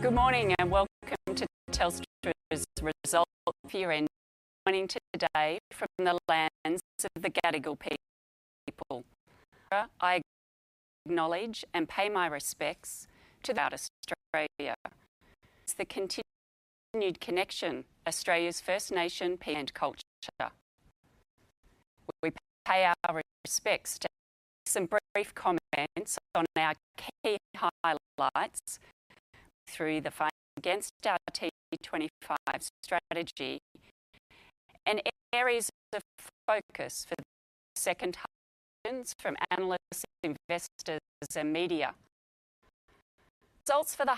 Good morning, and welcome to Telstra's results for the half year end. Joining today from the lands of the Gadigal people. I acknowledge and pay my respects to the Elders past and present, and to the continued connection of Australia's First Nations people and culture. We pay our respects to Elders past and present. Some brief comments on our key highlights through the first half of our T25 strategy and areas of focus for the second half for analysts, investors, and media. Results for the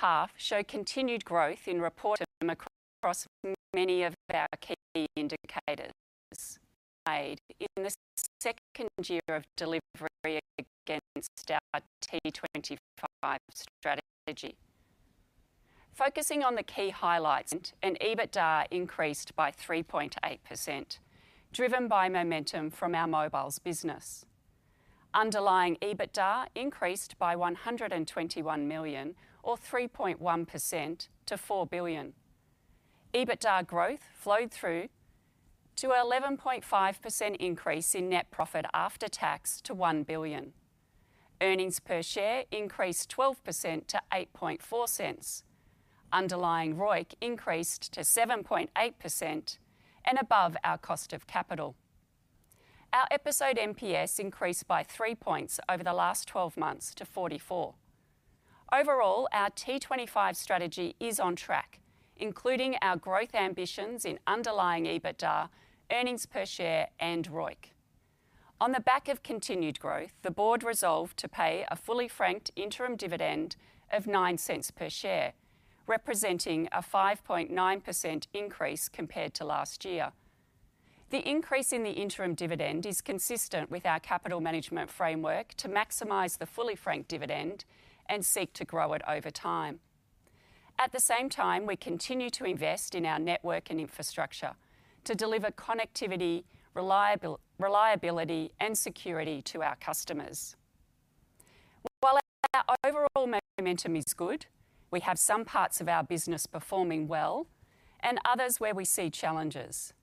half show continued growth in reported EBITDA across many of our key indicators in the second year of delivery against our T25 strategy. Focusing on the key highlights, EBITDA increased by 3.8%, driven by momentum from our mobiles business. Underlying EBITDA increased by 121 million or 3.1% to 4 billion. EBITDA growth flowed through to 11.5% increase in net profit after tax to 1 billion. Earnings per share increased 12% to 0.084. Underlying ROIC increased to 7.8% and above our cost of capital. Our employee NPS increased by 3 points over the last 12 months to 44. Overall, our T25 strategy is on track, including our growth ambitions in underlying EBITDA, earnings per share, and ROIC. On the back of continued growth, the board resolved to pay a fully franked interim dividend of 0.09 per share, representing a 5.9% increase compared to last year. The increase in the interim dividend is consistent with our capital management framework to maximize the fully franked dividend and seek to grow it over time. At the same time, we continue to invest in our network and infrastructure to deliver connectivity, reliability, and security to our customers. While our overall momentum is good, we have some parts of our business performing well and others where we see challenges.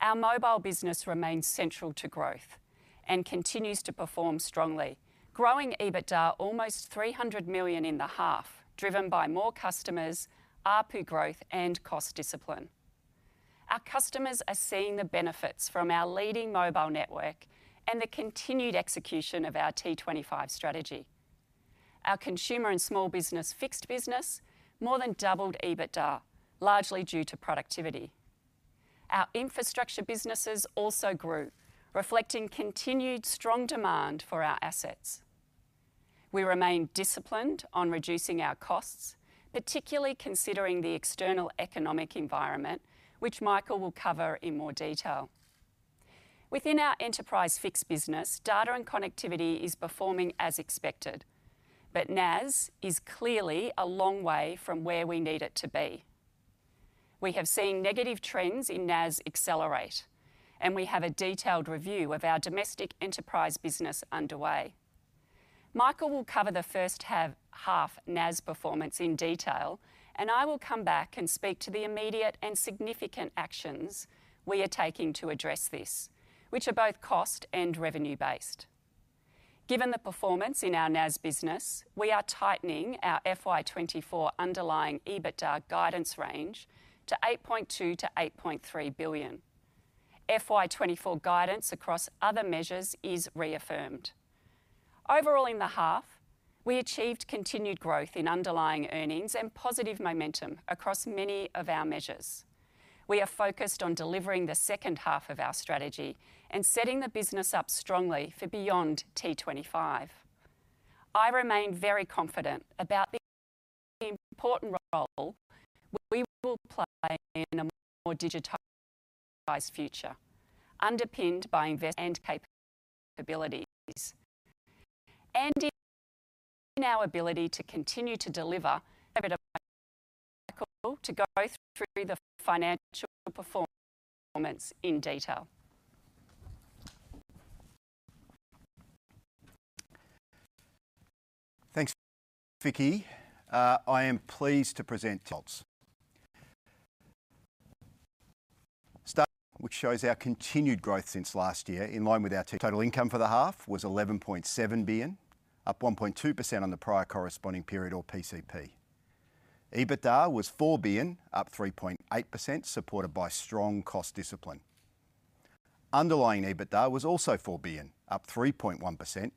Our mobile business remains central to growth and continues to perform strongly, growing EBITDA almost 300 million in the half, driven by more customers, ARPU growth, and cost discipline. Our customers are seeing the benefits from our leading mobile network and the continued execution of our T25 strategy. Our consumer and small business fixed business more than doubled EBITDA, largely due to productivity. Our infrastructure businesses also grew, reflecting continued strong demand for our assets. We remain disciplined on reducing our costs, particularly considering the external economic environment, which Michael will cover in more detail. Within our enterprise fixed business, data and connectivity is performing as expected, but NAS is clearly a long way from where we need it to be. We have seen negative trends in NAS accelerate, and we have a detailed review of our domestic enterprise business underway. Michael will cover the first half, half NAS performance in detail, and I will come back and speak to the immediate and significant actions we are taking to address this, which are both cost and revenue-based. Given the performance in our NAS business, we are tightening our FY 2024 underlying EBITDA guidance range to 8.2 billion-8.3 billion. FY 2024 guidance across other measures is reaffirmed. Overall, in the half, we achieved continued growth in underlying earnings and positive momentum across many of our measures. We are focused on delivering the second half of our strategy and setting the business up strongly for beyond T25. I remain very confident about the important role we will play in a more digitized future, underpinned by investments and capabilities. And in our ability to continue to deliver, to go through the financial performance in detail. Thanks, Vicki. I am pleased to present results. Start, which shows our continued growth since last year, in line with our total income for the half, was 11.7 billion, up 1.2% on the prior corresponding period or PCP. EBITDA was 4 billion, up 3.8%, supported by strong cost discipline. Underlying EBITDA was also 4 billion, up 3.1%,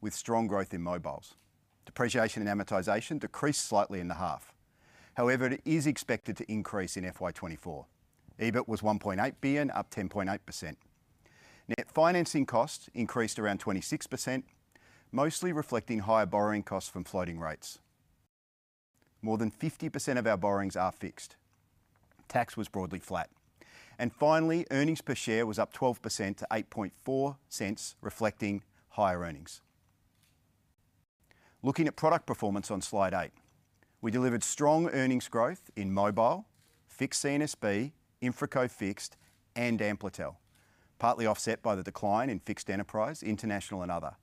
with strong growth in mobiles. Depreciation and amortization decreased slightly in the half. However, it is expected to increase in FY 2024. EBIT was 1.8 billion, up 10.8%. Net financing costs increased around 26%, mostly reflecting higher borrowing costs from floating rates. More than 50% of our borrowings are fixed. Tax was broadly flat. Finally, earnings per share was up 12% to 0.084, reflecting higher earnings. Looking at product performance on Slide 8, we delivered strong earnings growth in mobile, fixed SSB, InfraCo Fixed, and Amplitel.... partly offset by the decline in fixed enterprise, international, and other.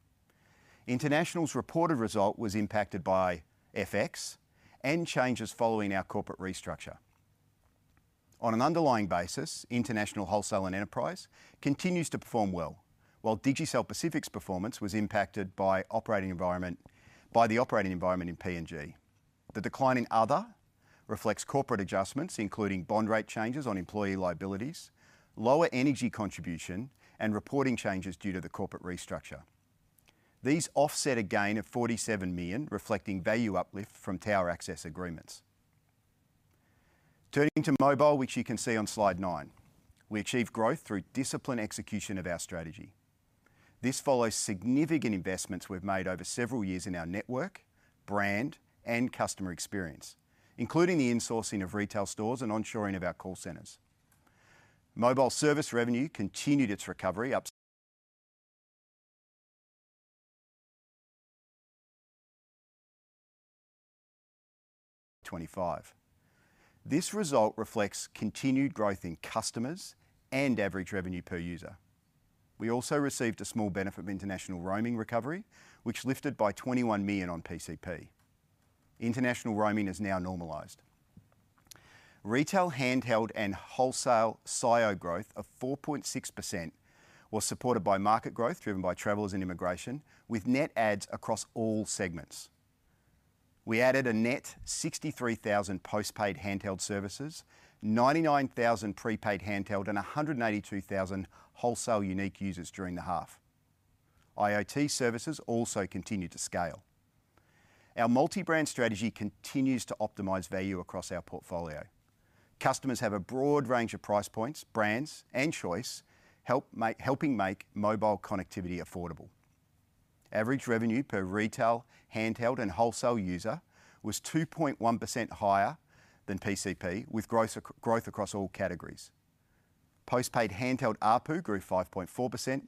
International's reported result was impacted by FX and changes following our corporate restructure. On an underlying basis, international wholesale and enterprise continues to perform well, while Digicel Pacific's performance was impacted by operating environment, by the operating environment in PNG. The decline in other reflects corporate adjustments, including bond rate changes on employee liabilities, lower energy contribution, and reporting changes due to the corporate restructure. These offset a gain of 47 million, reflecting value uplift from tower access agreements. Turning to mobile, which you can see on slide 9, we achieved growth through disciplined execution of our strategy. This follows significant investments we've made over several years in our network, brand, and customer experience, including the insourcing of retail stores and onshoring of our call centers. Mobile service revenue continued its recovery up to 25. This result reflects continued growth in customers and average revenue per user. We also received a small benefit of international roaming recovery, which lifted by 21 million on PCP. International roaming is now normalized. Retail, handheld, and wholesale SIO growth of 4.6% was supported by market growth, driven by travelers and immigration, with net adds across all segments. We added a net 63,000 postpaid handheld services, 99,000 prepaid handheld, and 182,000 wholesale unique users during the half. IoT services also continued to scale. Our multi-brand strategy continues to optimize value across our portfolio. Customers have a broad range of price points, brands, and choice, helping make mobile connectivity affordable. Average revenue per retail, handheld, and wholesale user was 2.1% higher than PCP, with growth across all categories. Postpaid handheld ARPU grew 5.4%,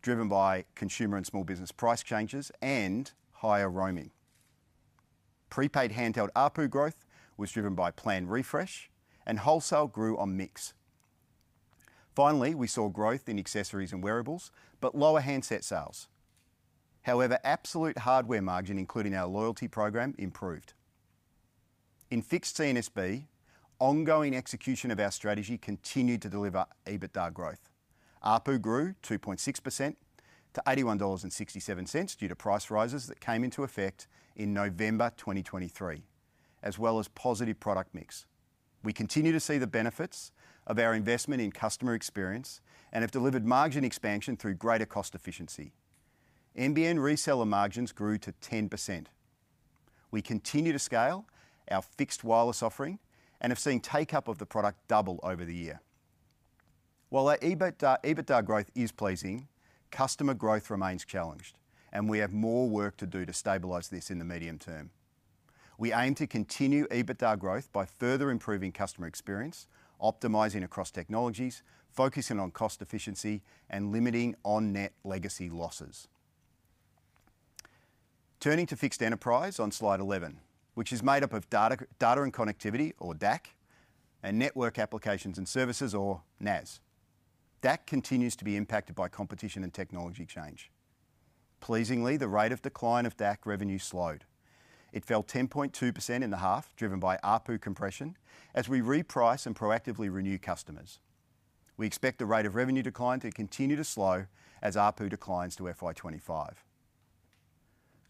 driven by consumer and small business price changes and higher roaming. Prepaid handheld ARPU growth was driven by plan refresh, and wholesale grew on mix. Finally, we saw growth in accessories and wearables, but lower handset sales. However, absolute hardware margin, including our loyalty program, improved. In fixed CNSB, ongoing execution of our strategy continued to deliver EBITDA growth. ARPU grew 2.6% to 81.67 dollars, due to price rises that came into effect in November 2023, as well as positive product mix. We continue to see the benefits of our investment in customer experience and have delivered margin expansion through greater cost efficiency. NBN reseller margins grew to 10%. We continue to scale our fixed wireless offering and have seen take-up of the product double over the year. While our EBITDA, EBITDA growth is pleasing, customer growth remains challenged, and we have more work to do to stabilize this in the medium term. We aim to continue EBITDA growth by further improving customer experience, optimizing across technologies, focusing on cost efficiency, and limiting on-net legacy losses. Turning to fixed enterprise on slide 11, which is made up of data, data and connectivity or DAC, and network applications and services or NAS. DAC continues to be impacted by competition and technology change. Pleasingly, the rate of decline of DAC revenue slowed. It fell 10.2% in the half, driven by ARPU compression, as we reprice and proactively renew customers. We expect the rate of revenue decline to continue to slow as ARPU declines to FY 2025.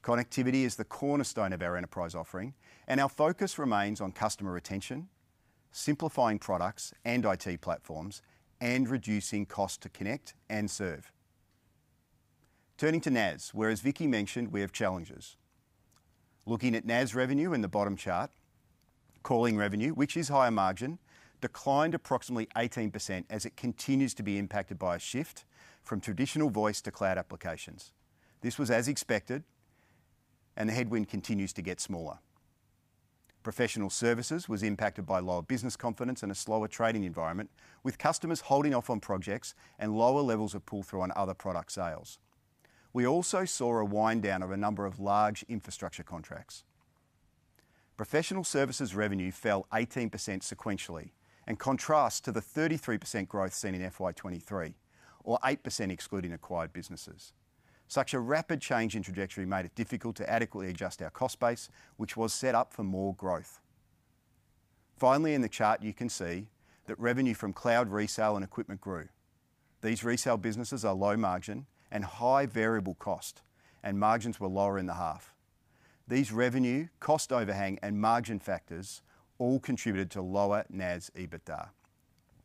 Connectivity is the cornerstone of our enterprise offering, and our focus remains on customer retention, simplifying products and IT platforms, and reducing cost to connect and serve. Turning to NAS, where, as Vicki mentioned, we have challenges. Looking at NAS revenue in the bottom chart, calling revenue, which is higher margin, declined approximately 18% as it continues to be impacted by a shift from traditional voice to cloud applications. This was as expected, and the headwind continues to get smaller. Professional services was impacted by lower business confidence and a slower trading environment, with customers holding off on projects and lower levels of pull-through on other product sales. We also saw a wind down of a number of large infrastructure contracts. Professional services revenue fell 18% sequentially, in contrast to the 33% growth seen in FY 2023, or 8% excluding acquired businesses. Such a rapid change in trajectory made it difficult to adequately adjust our cost base, which was set up for more growth. Finally, in the chart, you can see that revenue from cloud resale and equipment grew. These resale businesses are low margin and high variable cost, and margins were lower in the half. These revenue, cost overhang, and margin factors all contributed to lower NAS EBITDA.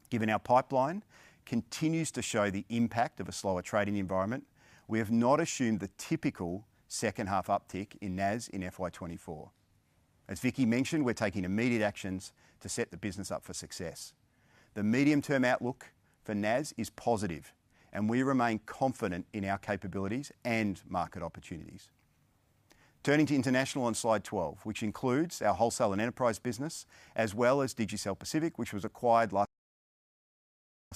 Given our pipeline continues to show the impact of a slower trading environment, we have not assumed the typical second half uptick in NAS in FY 2024. As Vicki mentioned, we're taking immediate actions to set the business up for success. The medium-term outlook for NAS is positive, and we remain confident in our capabilities and market opportunities. Turning to International on slide 12, which includes our Wholesale and Enterprise business, as well as Digicel Pacific, which was acquired last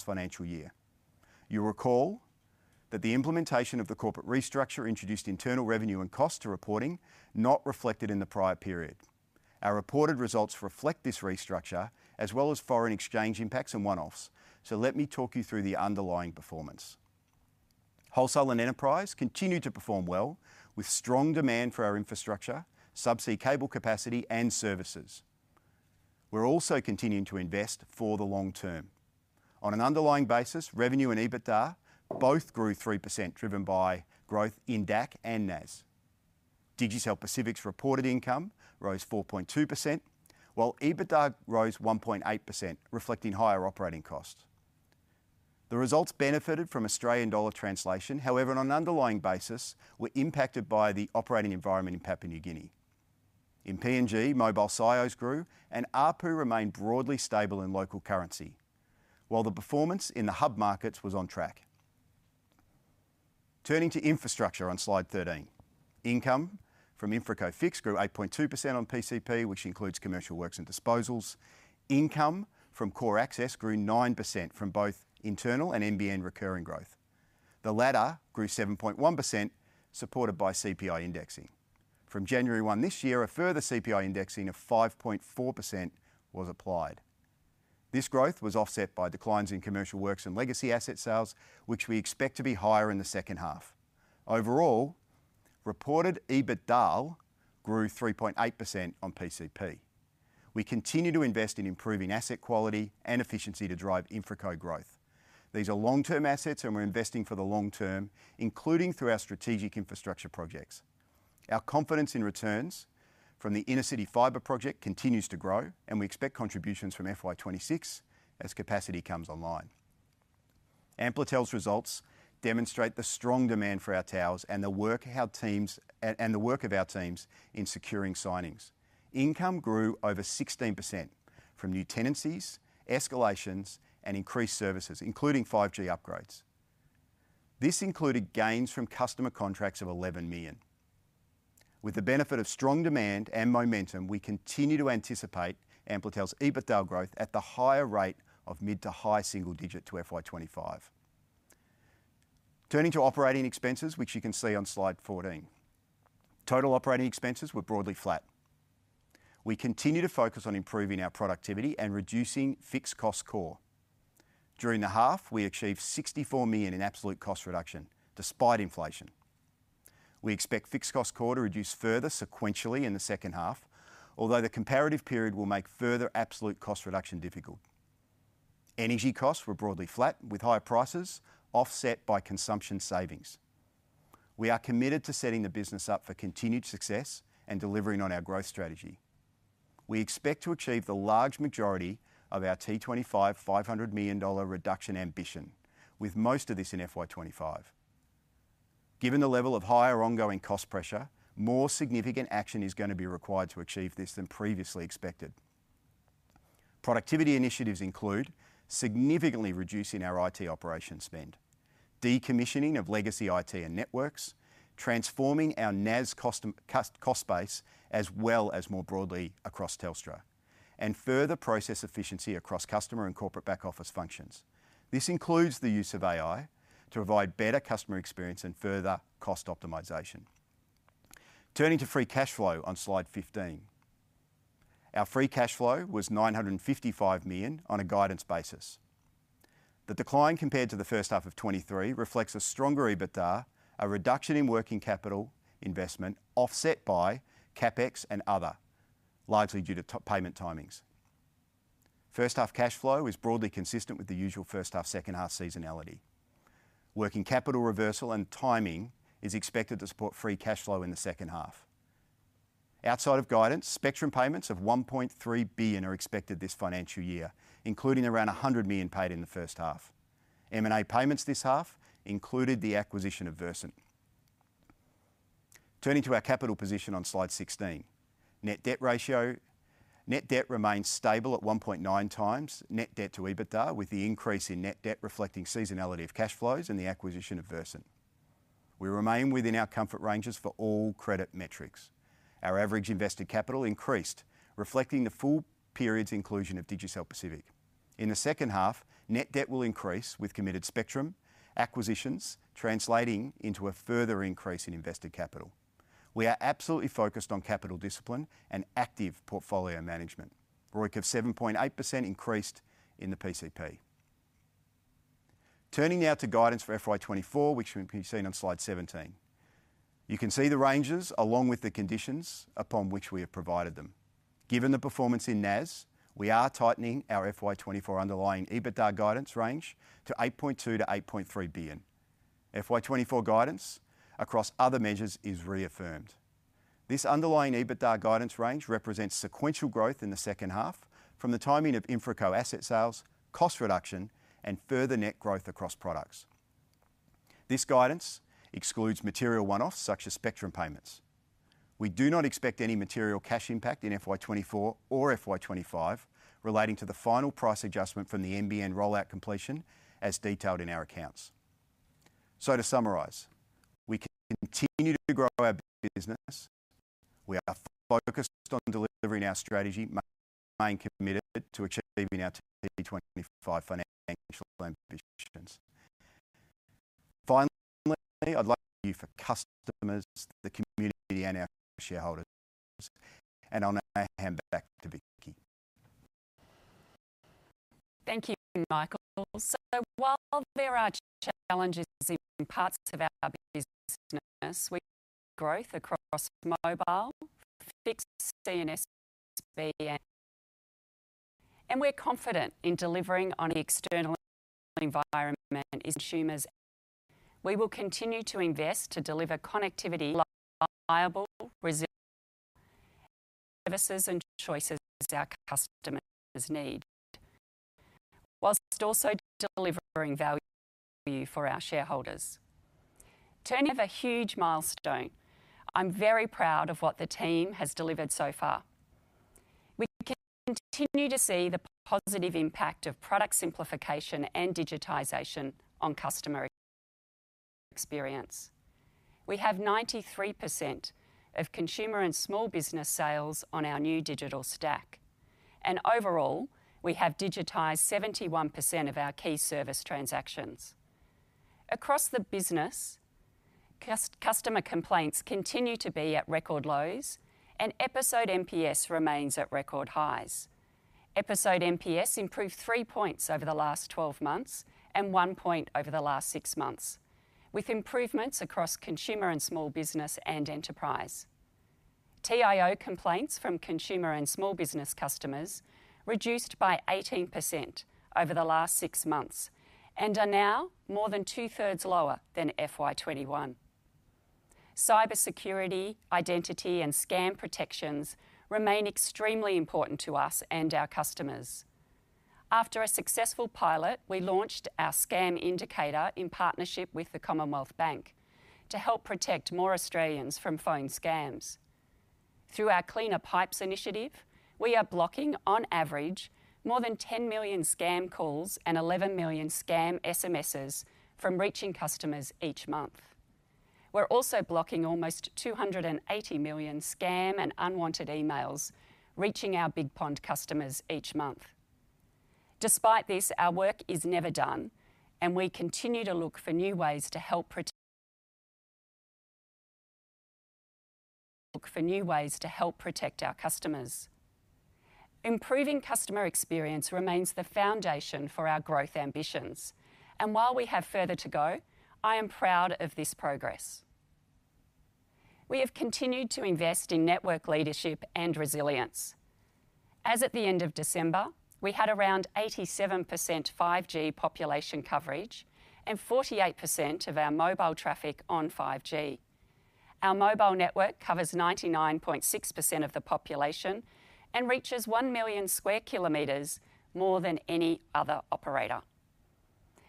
financial year. But the implementation of the corporate restructure introduced internal revenue and cost to reporting, not reflected in the prior period. Our reported results reflect this restructure, as well as foreign exchange impacts and one-offs. So let me talk you through the underlying performance. Wholesale and Enterprise continued to perform well, with strong demand for our infrastructure, subsea cable capacity, and services. We're also continuing to invest for the long term. On an underlying basis, revenue and EBITDA both grew 3%, driven by growth in DAC and NAS. Digicel Pacific's reported income rose 4.2%, while EBITDA rose 1.8%, reflecting higher operating costs. The results benefited from Australian dollar translation, however, on an underlying basis, were impacted by the operating environment in Papua New Guinea. In PNG, mobile SIOs grew, and ARPU remained broadly stable in local currency, while the performance in the hub markets was on track. Turning to infrastructure on slide 13. Income from InfraCo Fixed grew 8.2% on PCP, which includes commercial works and disposals. Income from Core Access grew 9% from both internal and NBN recurring growth. The latter grew 7.1%, supported by CPI indexing. From January 1 this year, a further CPI indexing of 5.4% was applied. This growth was offset by declines in commercial works and legacy asset sales, which we expect to be higher in the second half. Overall, reported EBITDA grew 3.8% on PCP. We continue to invest in improving asset quality and efficiency to drive InfraCo growth. These are long-term assets, and we're investing for the long term, including through our strategic infrastructure projects. Our confidence in returns from the Intercity Fibre project continues to grow, and we expect contributions from FY 2026 as capacity comes online. Amplitel's results demonstrate the strong demand for our towers and the work our teams and the work of our teams in securing signings. Income grew over 16% from new tenancies, escalations, and increased services, including 5G upgrades. This included gains from customer contracts of 11 million. With the benefit of strong demand and momentum, we continue to anticipate Amplitel's EBITDA growth at the higher rate of mid- to high-single-digit to FY 2025. Turning to operating expenses, which you can see on Slide 14. Total operating expenses were broadly flat. We continue to focus on improving our productivity and reducing fixed cost core. During the half, we achieved 64 million in absolute cost reduction, despite inflation. We expect fixed cost core to reduce further sequentially in the second half, although the comparative period will make further absolute cost reduction difficult. Energy costs were broadly flat, with higher prices offset by consumption savings. We are committed to setting the business up for continued success and delivering on our growth strategy. We expect to achieve the large majority of our T 25, 500 million dollar reduction ambition, with most of this in FY 2025. Given the level of higher ongoing cost pressure, more significant action is going to be required to achieve this than previously expected. Productivity initiatives include significantly reducing our IT operation spend, decommissioning of legacy IT and networks, transforming our NAS cost base, as well as more broadly across Telstra, and further process efficiency across customer and corporate back-office functions. This includes the use of AI to provide better customer experience and further cost optimization. Turning to free cash flow on slide 15. Our free cash flow was 955 million on a guidance basis. The decline compared to the first half of 2023 reflects a stronger EBITDA, a reduction in working capital investment, offset by CapEx and other, largely due to payment timings. First half cash flow is broadly consistent with the usual first half, second half seasonality. Working capital reversal and timing is expected to support free cash flow in the second half. Outside of guidance, spectrum payments of 1.3 billion are expected this financial year, including around 100 million paid in the first half. M&A payments this half included the acquisition of Versent. Turning to our capital position on slide 16. Net debt ratio... Net debt remains stable at 1.9 times net debt to EBITDA, with the increase in net debt reflecting seasonality of cash flows and the acquisition of Versent. We remain within our comfort ranges for all credit metrics. Our average invested capital increased, reflecting the full period's inclusion of Digicel Pacific. In the second half, net debt will increase, with committed spectrum, acquisitions translating into a further increase in invested capital. We are absolutely focused on capital discipline and active portfolio management. ROIC of 7.8% increased in the PCP. Turning now to guidance for FY 2024, which can be seen on slide 17. You can see the ranges along with the conditions upon which we have provided them. Given the performance in NAS, we are tightening our FY 2024 underlying EBITDA guidance range to 8.2 billion-8.3 billion. FY 2024 guidance across other measures is reaffirmed. This underlying EBITDA guidance range represents sequential growth in the second half from the timing of InfraCo asset sales, cost reduction, and further net growth across products. This guidance excludes material one-offs, such as spectrum payments. We do not expect any material cash impact in FY 2024 or FY 2025 relating to the final price adjustment from the NBN rollout completion, as detailed in our accounts. So to summarize, we continue to grow our business. We are focused on delivering our strategy, and remain committed to achieving our 2025 financial ambitions. Finally, I'd like to thank you for customers, the community, and our shareholders, and I'll now hand back to Vicki. Thank you, Michael. So while there are challenges in parts of our business, we've growth across mobile, fixed C and SB, and we're confident in delivering on the external environment and consumers. We will continue to invest to deliver connectivity, reliable, resilient services and choices our customers need, while also delivering value for our shareholders. Turning to a huge milestone, I'm very proud of what the team has delivered so far. We continue to see the positive impact of product simplification and digitization on customer experience. We have 93% of consumer and small business sales on our new digital stack, and overall, we have digitized 71% of our key service transactions. Across the business, customer complaints continue to be at record lows, and episode NPS remains at record highs. eNPS improved 3 points over the last 12 months, and 1 point over the last 6 months, with improvements across consumer and small business, and enterprise. TIO complaints from consumer and small business customers reduced by 18% over the last 6 months, and are now more than two-thirds lower than FY 2021. Cybersecurity, identity, and scam protections remain extremely important to us and our customers. After a successful pilot, we launched our Scam Indicator in partnership with the Commonwealth Bank, to help protect more Australians from phone scams. Through our Cleaner Pipes initiative, we are blocking, on average, more than 10 million scam calls and 11 million scam SMSs from reaching customers each month. We're also blocking almost 280 million scam and unwanted emails reaching our BigPond customers each month. Despite this, our work is never done, and we continue to look for new ways to help protect our customers. Improving customer experience remains the foundation for our growth ambitions, and while we have further to go, I am proud of this progress. We have continued to invest in network leadership and resilience. As at the end of December, we had around 87% 5G population coverage and 48% of our mobile traffic on 5G. Our mobile network covers 99.6% of the population and reaches 1 million sq km more than any other operator.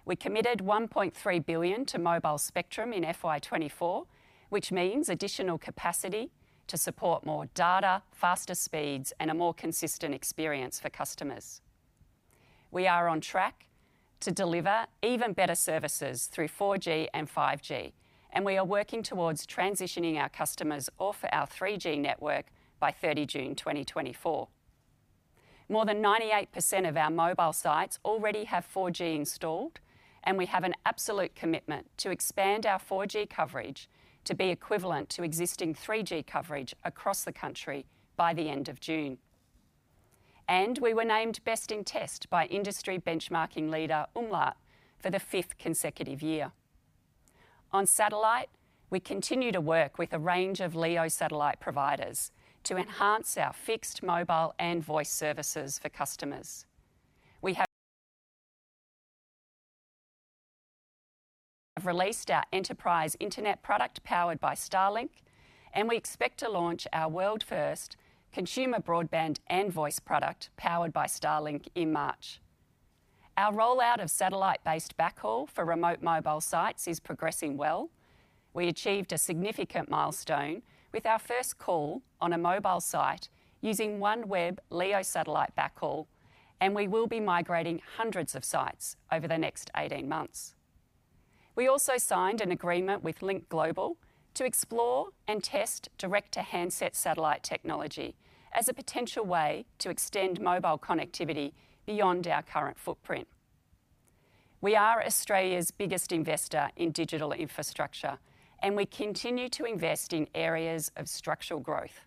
We committed 1.3 billion to mobile spectrum in FY 2024, which means additional capacity to support more data, faster speeds, and a more consistent experience for customers. We are on track to deliver even better services through 4G and 5G, and we are working towards transitioning our customers off our 3G network by 30 June 2024. More than 98% of our mobile sites already have 4G installed, and we have an absolute commitment to expand our 4G coverage to be equivalent to existing 3G coverage across the country by the end of June. We were named Best in Test by industry benchmarking leader, Umlaut, for the fifth consecutive year. On satellite, we continue to work with a range of LEO satellite providers to enhance our fixed, mobile, and voice services for customers. We have released our enterprise internet product, powered by Starlink, and we expect to launch our world-first consumer broadband and voice product, powered by Starlink, in March. Our rollout of satellite-based backhaul for remote mobile sites is progressing well. We achieved a significant milestone with our first call on a mobile site using OneWeb LEO satellite backhaul, and we will be migrating hundreds of sites over the next 18 months. We also signed an agreement with Lynk Global to explore and test direct-to-handset satellite technology as a potential way to extend mobile connectivity beyond our current footprint. We are Australia's biggest investor in digital infrastructure, and we continue to invest in areas of structural growth.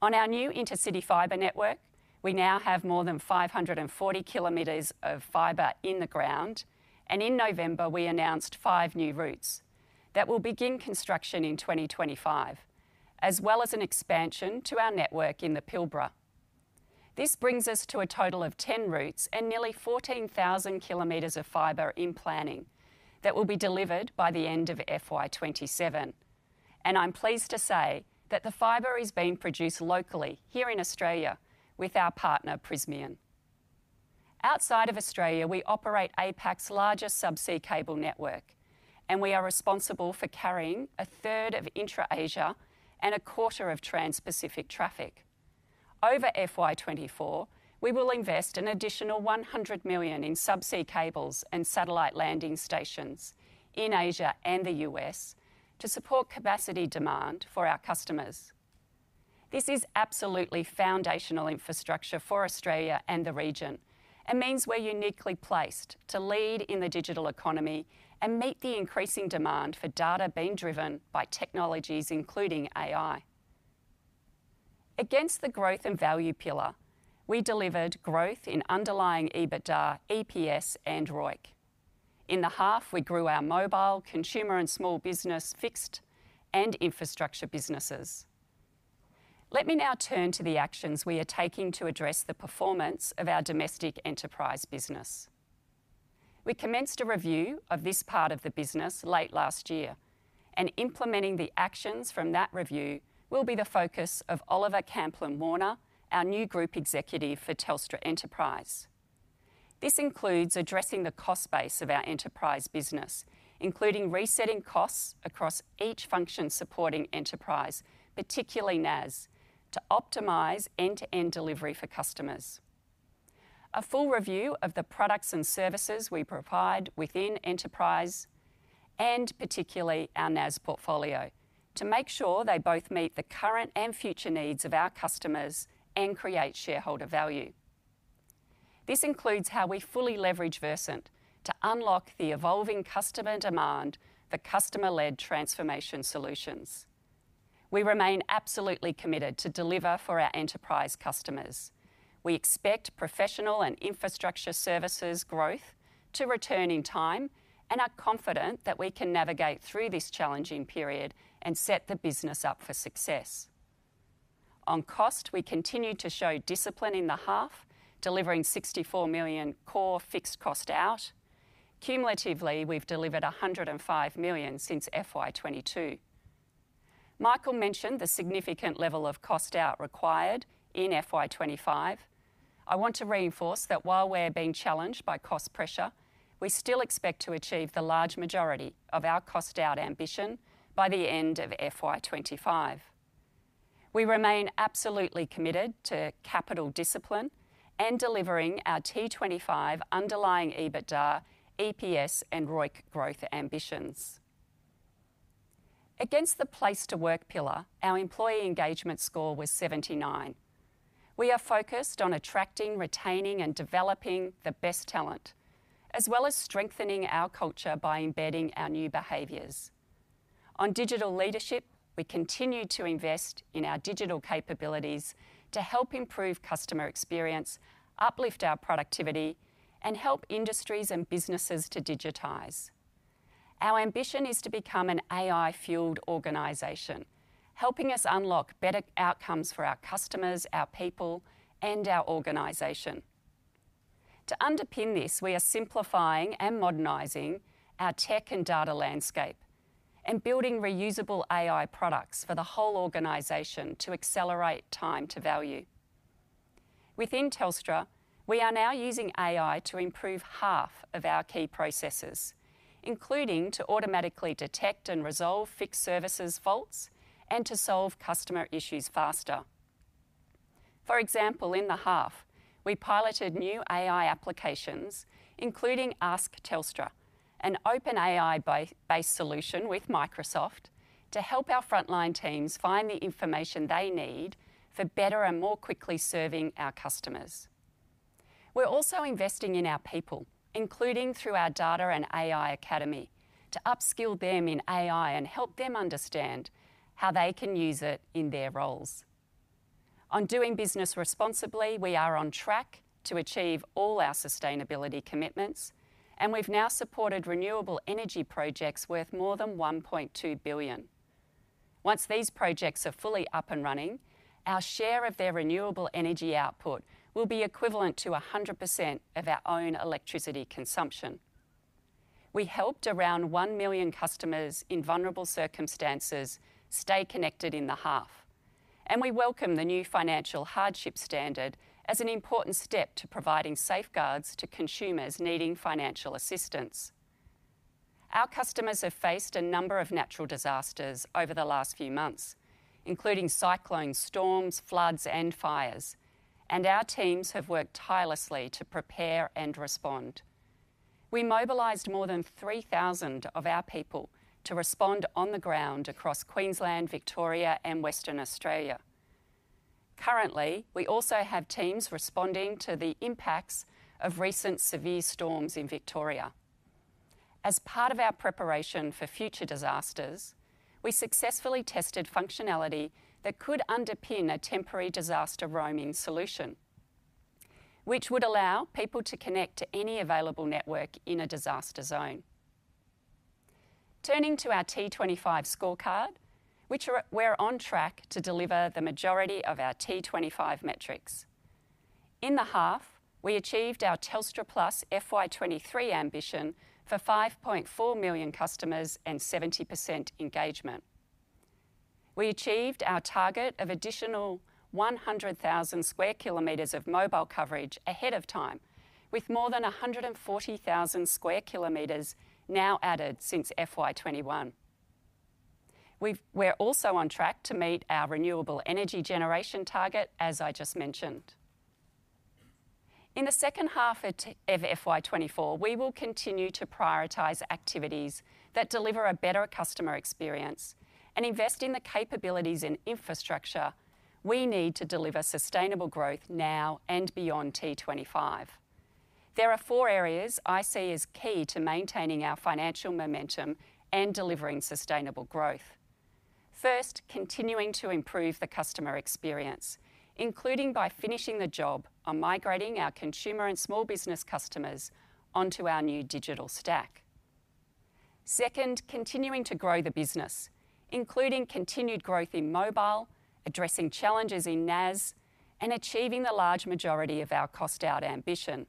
On our new Intercity Fibre Network, we now have more than 540 kilometers of fiber in the ground, and in November, we announced five new routes that will begin construction in 2025, as well as an expansion to our network in the Pilbara. This brings us to a total of 10 routes and nearly 14,000 kilometers of fiber in planning that will be delivered by the end of FY 2027. I'm pleased to say that the fiber is being produced locally, here in Australia with our partner, Prysmian. Outside of Australia, we operate APAC's largest subsea cable network, and we are responsible for carrying a third of intra-Asia and a quarter of trans-Pacific traffic.... Over FY24, we will invest an additional 100 million in subsea cables and satellite landing stations in Asia and the U.S. to support capacity demand for our customers. This is absolutely foundational infrastructure for Australia and the region, and means we're uniquely placed to lead in the digital economy and meet the increasing demand for data being driven by technologies, including AI. Against the growth and value pillar, we delivered growth in underlying EBITDA, EPS, and ROIC. In the half, we grew our mobile, consumer, and small business, fixed, and infrastructure businesses. Let me now turn to the actions we are taking to address the performance of our domestic enterprise business. We commenced a review of this part of the business late last year, and implementing the actions from that review will be the focus of Oliver Camplin-Warner, our new Group Executive for Telstra Enterprise. This includes addressing the cost base of our enterprise business, including resetting costs across each function supporting enterprise, particularly NAS, to optimize end-to-end delivery for customers. A full review of the products and services we provide within enterprise, and particularly our NAS portfolio, to make sure they both meet the current and future needs of our customers and create shareholder value. This includes how we fully leverage Versent to unlock the evolving customer demand for customer-led transformation solutions. We remain absolutely committed to deliver for our enterprise customers. We expect professional and infrastructure services growth to return in time, and are confident that we can navigate through this challenging period and set the business up for success. On cost, we continued to show discipline in the half, delivering 64 million core fixed cost out. Cumulatively, we've delivered 105 million since FY22. Michael mentioned the significant level of cost out required in FY25. I want to reinforce that while we're being challenged by cost pressure, we still expect to achieve the large majority of our cost-out ambition by the end of FY25. We remain absolutely committed to capital discipline and delivering our T25 underlying EBITDA, EPS, and ROIC growth ambitions. Against the place to work pillar, our employee engagement score was 79. We are focused on attracting, retaining, and developing the best talent, as well as strengthening our culture by embedding our new behaviors. On digital leadership, we continue to invest in our digital capabilities to help improve customer experience, uplift our productivity, and help industries and businesses to digitize. Our ambition is to become an AI-fueled organization, helping us unlock better outcomes for our customers, our people, and our organization. To underpin this, we are simplifying and modernizing our tech and data landscape and building reusable AI products for the whole organization to accelerate time to value. Within Telstra, we are now using AI to improve half of our key processes, including to automatically detect and resolve fixed services faults and to solve customer issues faster. For example, in the half, we piloted new AI applications, including Ask Telstra, an open AI-based solution with Microsoft to help our frontline teams find the information they need for better and more quickly serving our customers. We're also investing in our people, including through our Data and AI Academy, to upskill them in AI and help them understand how they can use it in their roles. On doing business responsibly, we are on track to achieve all our sustainability commitments, and we've now supported renewable energy projects worth more than 1.2 billion. Once these projects are fully up and running, our share of their renewable energy output will be equivalent to 100% of our own electricity consumption. We helped around 1 million customers in vulnerable circumstances stay connected in the half, and we welcome the new financial hardship standard as an important step to providing safeguards to consumers needing financial assistance. Our customers have faced a number of natural disasters over the last few months, including cyclones, storms, floods, and fires, and our teams have worked tirelessly to prepare and respond. We mobilized more than 3,000 of our people to respond on the ground across Queensland, Victoria, and Western Australia. Currently, we also have teams responding to the impacts of recent severe storms in Victoria. As part of our preparation for future disasters, we successfully tested functionality that could underpin a temporary disaster roaming solution, which would allow people to connect to any available network in a disaster zone. Turning to our T25 scorecard, which we're on track to deliver the majority of our T25 metrics. In the half, we achieved our Telstra Plus FY23 ambition for 5.4 million customers and 70% engagement. We achieved our target of additional 100,000 square kilometers of mobile coverage ahead of time, with more than 140,000 square kilometers now added since FY21. We're also on track to meet our renewable energy generation target, as I just mentioned. In the second half of FY 2024, we will continue to prioritize activities that deliver a better customer experience and invest in the capabilities and infrastructure we need to deliver sustainable growth now and beyond T25. There are four areas I see as key to maintaining our financial momentum and delivering sustainable growth. First, continuing to improve the customer experience, including by finishing the job on migrating our consumer and small business customers onto our new digital stack. Second, continuing to grow the business, including continued growth in mobile, addressing challenges in NAS, and achieving the large majority of our cost-out ambition.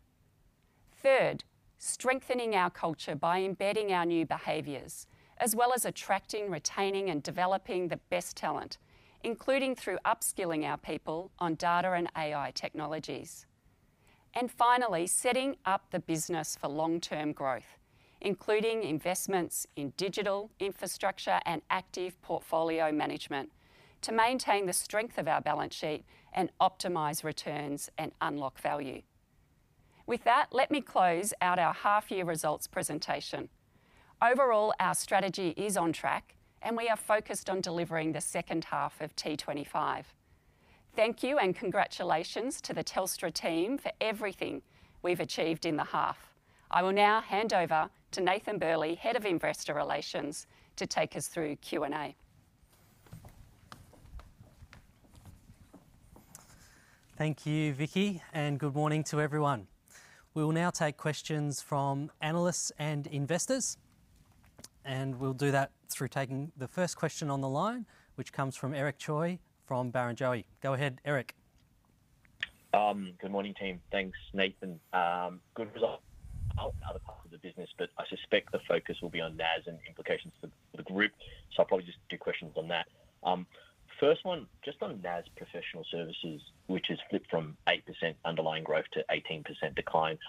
Third, strengthening our culture by embedding our new behaviors, as well as attracting, retaining, and developing the best talent, including through upskilling our people on data and AI technologies. And finally, setting up the business for long-term growth, including investments in digital infrastructure and active portfolio management, to maintain the strength of our balance sheet and optimize returns and unlock value. With that, let me close out our half-year results presentation. Overall, our strategy is on track, and we are focused on delivering the second half of T25. Thank you, and congratulations to the Telstra team for everything we've achieved in the half. I will now hand over to Nathan Burley, Head of Investor Relations, to take us through Q&A. Thank you, Vicki, and good morning to everyone. We will now take questions from analysts and investors, and we'll do that through taking the first question on the line, which comes from Eric Choi from Barrenjoey. Go ahead, Eric. Good morning, team. Thanks, Nathan. Good results other part of the business, but I suspect the focus will be on NAS and implications for the group, so I'll probably just do questions on that. First one, just on NAS professional services, which has flipped from 8% underlying growth to 18% decline.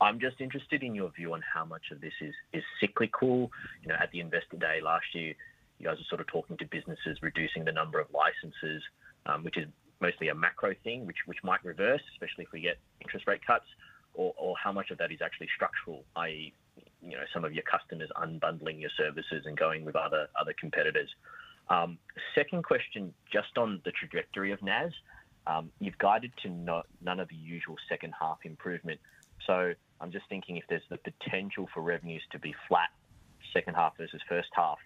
I'm just interested in your view on how much of this is, is cyclical. You know, at the Investor Day last year, you guys were sort of talking to businesses reducing the number of licenses, which is mostly a macro thing, which, which might reverse, especially if we get interest rate cuts, or, or how much of that is actually structural, i.e., you know, some of your customers unbundling your services and going with other, other competitors. Second question, just on the trajectory of NAS. You've guided to none of the usual second half improvement, so I'm just thinking if there's the potential for revenues to be flat second half versus first half.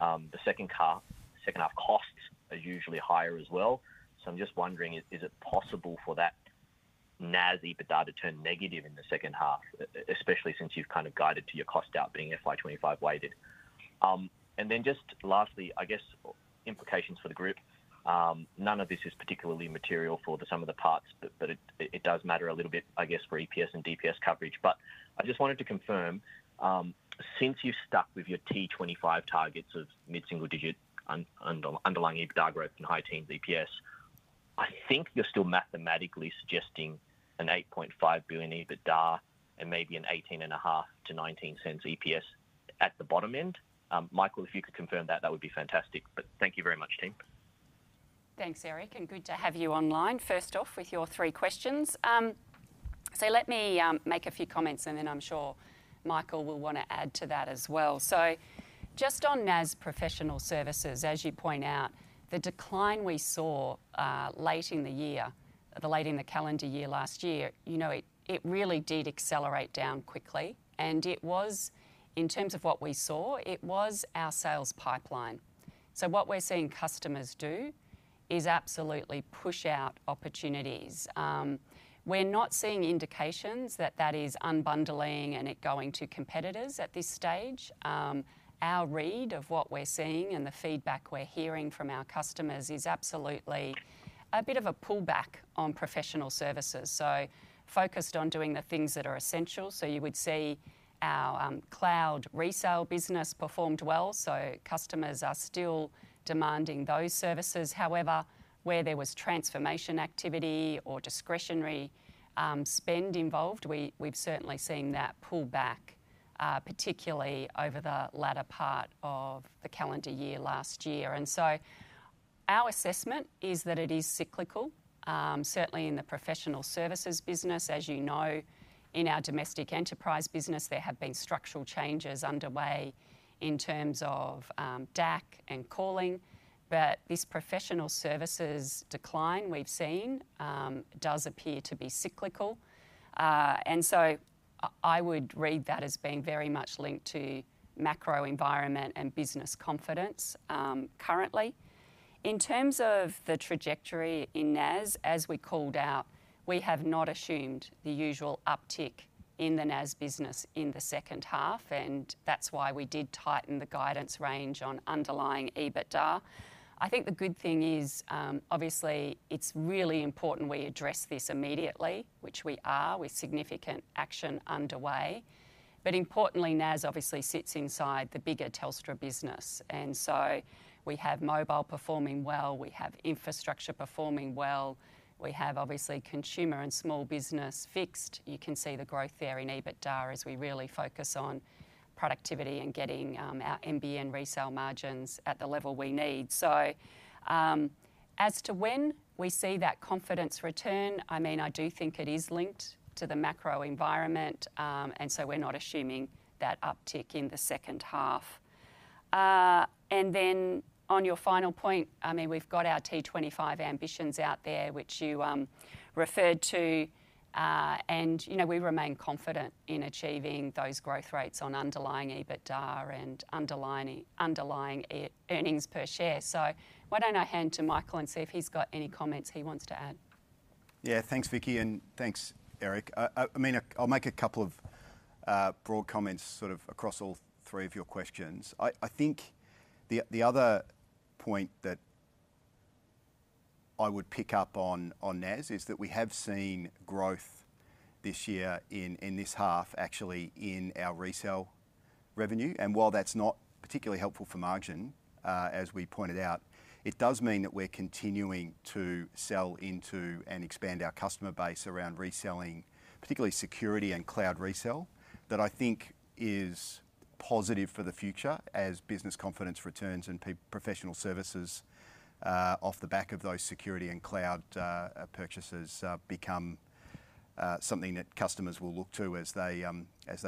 The second half costs are usually higher as well, so I'm just wondering: Is it possible for that NAS EBITDA to turn negative in the second half, especially since you've kind of guided to your cost out being FY 25 weighted? And then just lastly, I guess, implications for the group. None of this is particularly material for the sum of the parts, but it does matter a little bit, I guess, for EPS and DPS coverage. But I just wanted to confirm, since you've stuck with your T25 targets of mid-single-digit underlying EBITDA growth and high teens EPS, I think you're still mathematically suggesting an 8.5 billion EBITDA and maybe an 0.185-0.19 EPS at the bottom end. Michael, if you could confirm that, that would be fantastic. But thank you very much, team. Thanks, Eric, and good to have you online, first off, with your 3 questions. So let me make a few comments, and then I'm sure Michael will want to add to that as well. So just on NAS professional services, as you point out, the decline we saw late in the year, late in the calendar year last year, you know, it really did accelerate down quickly, and it was... In terms of what we saw, it was our sales pipeline. So what we're seeing customers do is absolutely push out opportunities. We're not seeing indications that that is unbundling and it going to competitors at this stage. Our read of what we're seeing and the feedback we're hearing from our customers is absolutely a bit of a pullback on professional services, so focused on doing the things that are essential. So you would see our cloud resale business performed well, so customers are still demanding those services. However, where there was transformation activity or discretionary spend involved, we've certainly seen that pull back, particularly over the latter part of the calendar year last year. And so our assessment is that it is cyclical, certainly in the professional services business. As you know, in our domestic enterprise business, there have been structural changes underway in terms of DAC and NAS, but this professional services decline we've seen does appear to be cyclical. And so I would read that as being very much linked to macro environment and business confidence currently. In terms of the trajectory in NAS, as we called out, we have not assumed the usual uptick in the NAS business in the second half, and that's why we did tighten the guidance range on underlying EBITDA. I think the good thing is, obviously it's really important we address this immediately, which we are, with significant action underway. But importantly, NAS obviously sits inside the bigger Telstra business, and so we have mobile performing well, we have infrastructure performing well, we have obviously consumer and small business fixed. You can see the growth there in EBITDA as we really focus on productivity and getting our NBN resale margins at the level we need. So, as to when we see that confidence return, I mean, I do think it is linked to the macro environment, and so we're not assuming that uptick in the second half.... And then on your final point, I mean, we've got our T25 ambitions out there, which you referred to, and, you know, we remain confident in achieving those growth rates on underlying EBITDA and underlying earnings per share. So why don't I hand to Michael and see if he's got any comments he wants to add? Yeah. Thanks, Vicki, and thanks, Eric. I mean, I'll make a couple of broad comments, sort of across all three of your questions. I think the other point that I would pick up on, on NAS is that we have seen growth this year in this half, actually, in our resale revenue. And while that's not particularly helpful for margin, as we pointed out, it does mean that we're continuing to sell into and expand our customer base around reselling, particularly security and cloud resale, that I think is positive for the future as business confidence returns and professional services, off the back of those security and cloud purchases, become something that customers will look to as they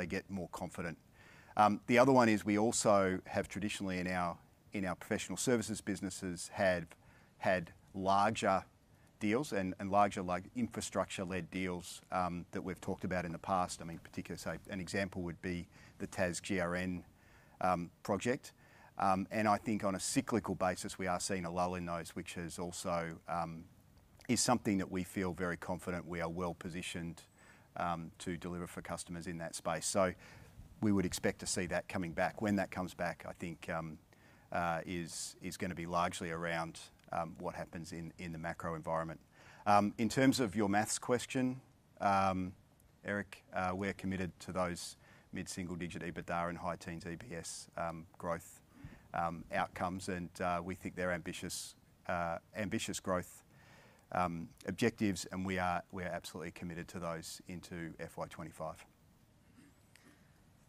get more confident. The other one is we also have traditionally, in our professional services businesses, have had larger deals and larger, like, infrastructure-led deals that we've talked about in the past. I mean, particularly, say, an example would be the TasGRN project. And I think on a cyclical basis, we are seeing a lull in those, which is also something that we feel very confident we are well positioned to deliver for customers in that space. So we would expect to see that coming back. When that comes back, I think is gonna be largely around what happens in the macro environment. In terms of your math question, Eric, we're committed to those mid-single-digit EBITDA and high teens EPS growth outcomes, and we think they're ambitious, ambitious growth objectives, and we are, we are absolutely committed to those into FY 2025.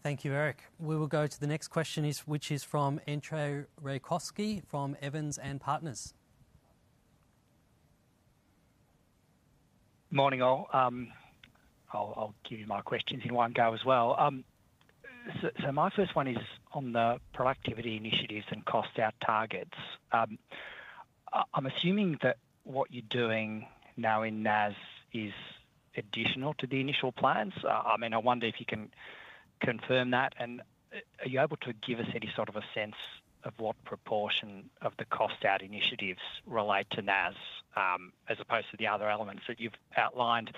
Thank you, Eric. We will go to the next question, which is from Entcho Raykovski from Evans and Partners. Morning, all. I'll give you my questions in one go as well. So my first one is on the productivity initiatives and cost out targets. I'm assuming that what you're doing now in NAS is additional to the initial plans. I mean, I wonder if you can confirm that, and are you able to give us any sort of a sense of what proportion of the cost out initiatives relate to NAS, as opposed to the other elements that you've outlined?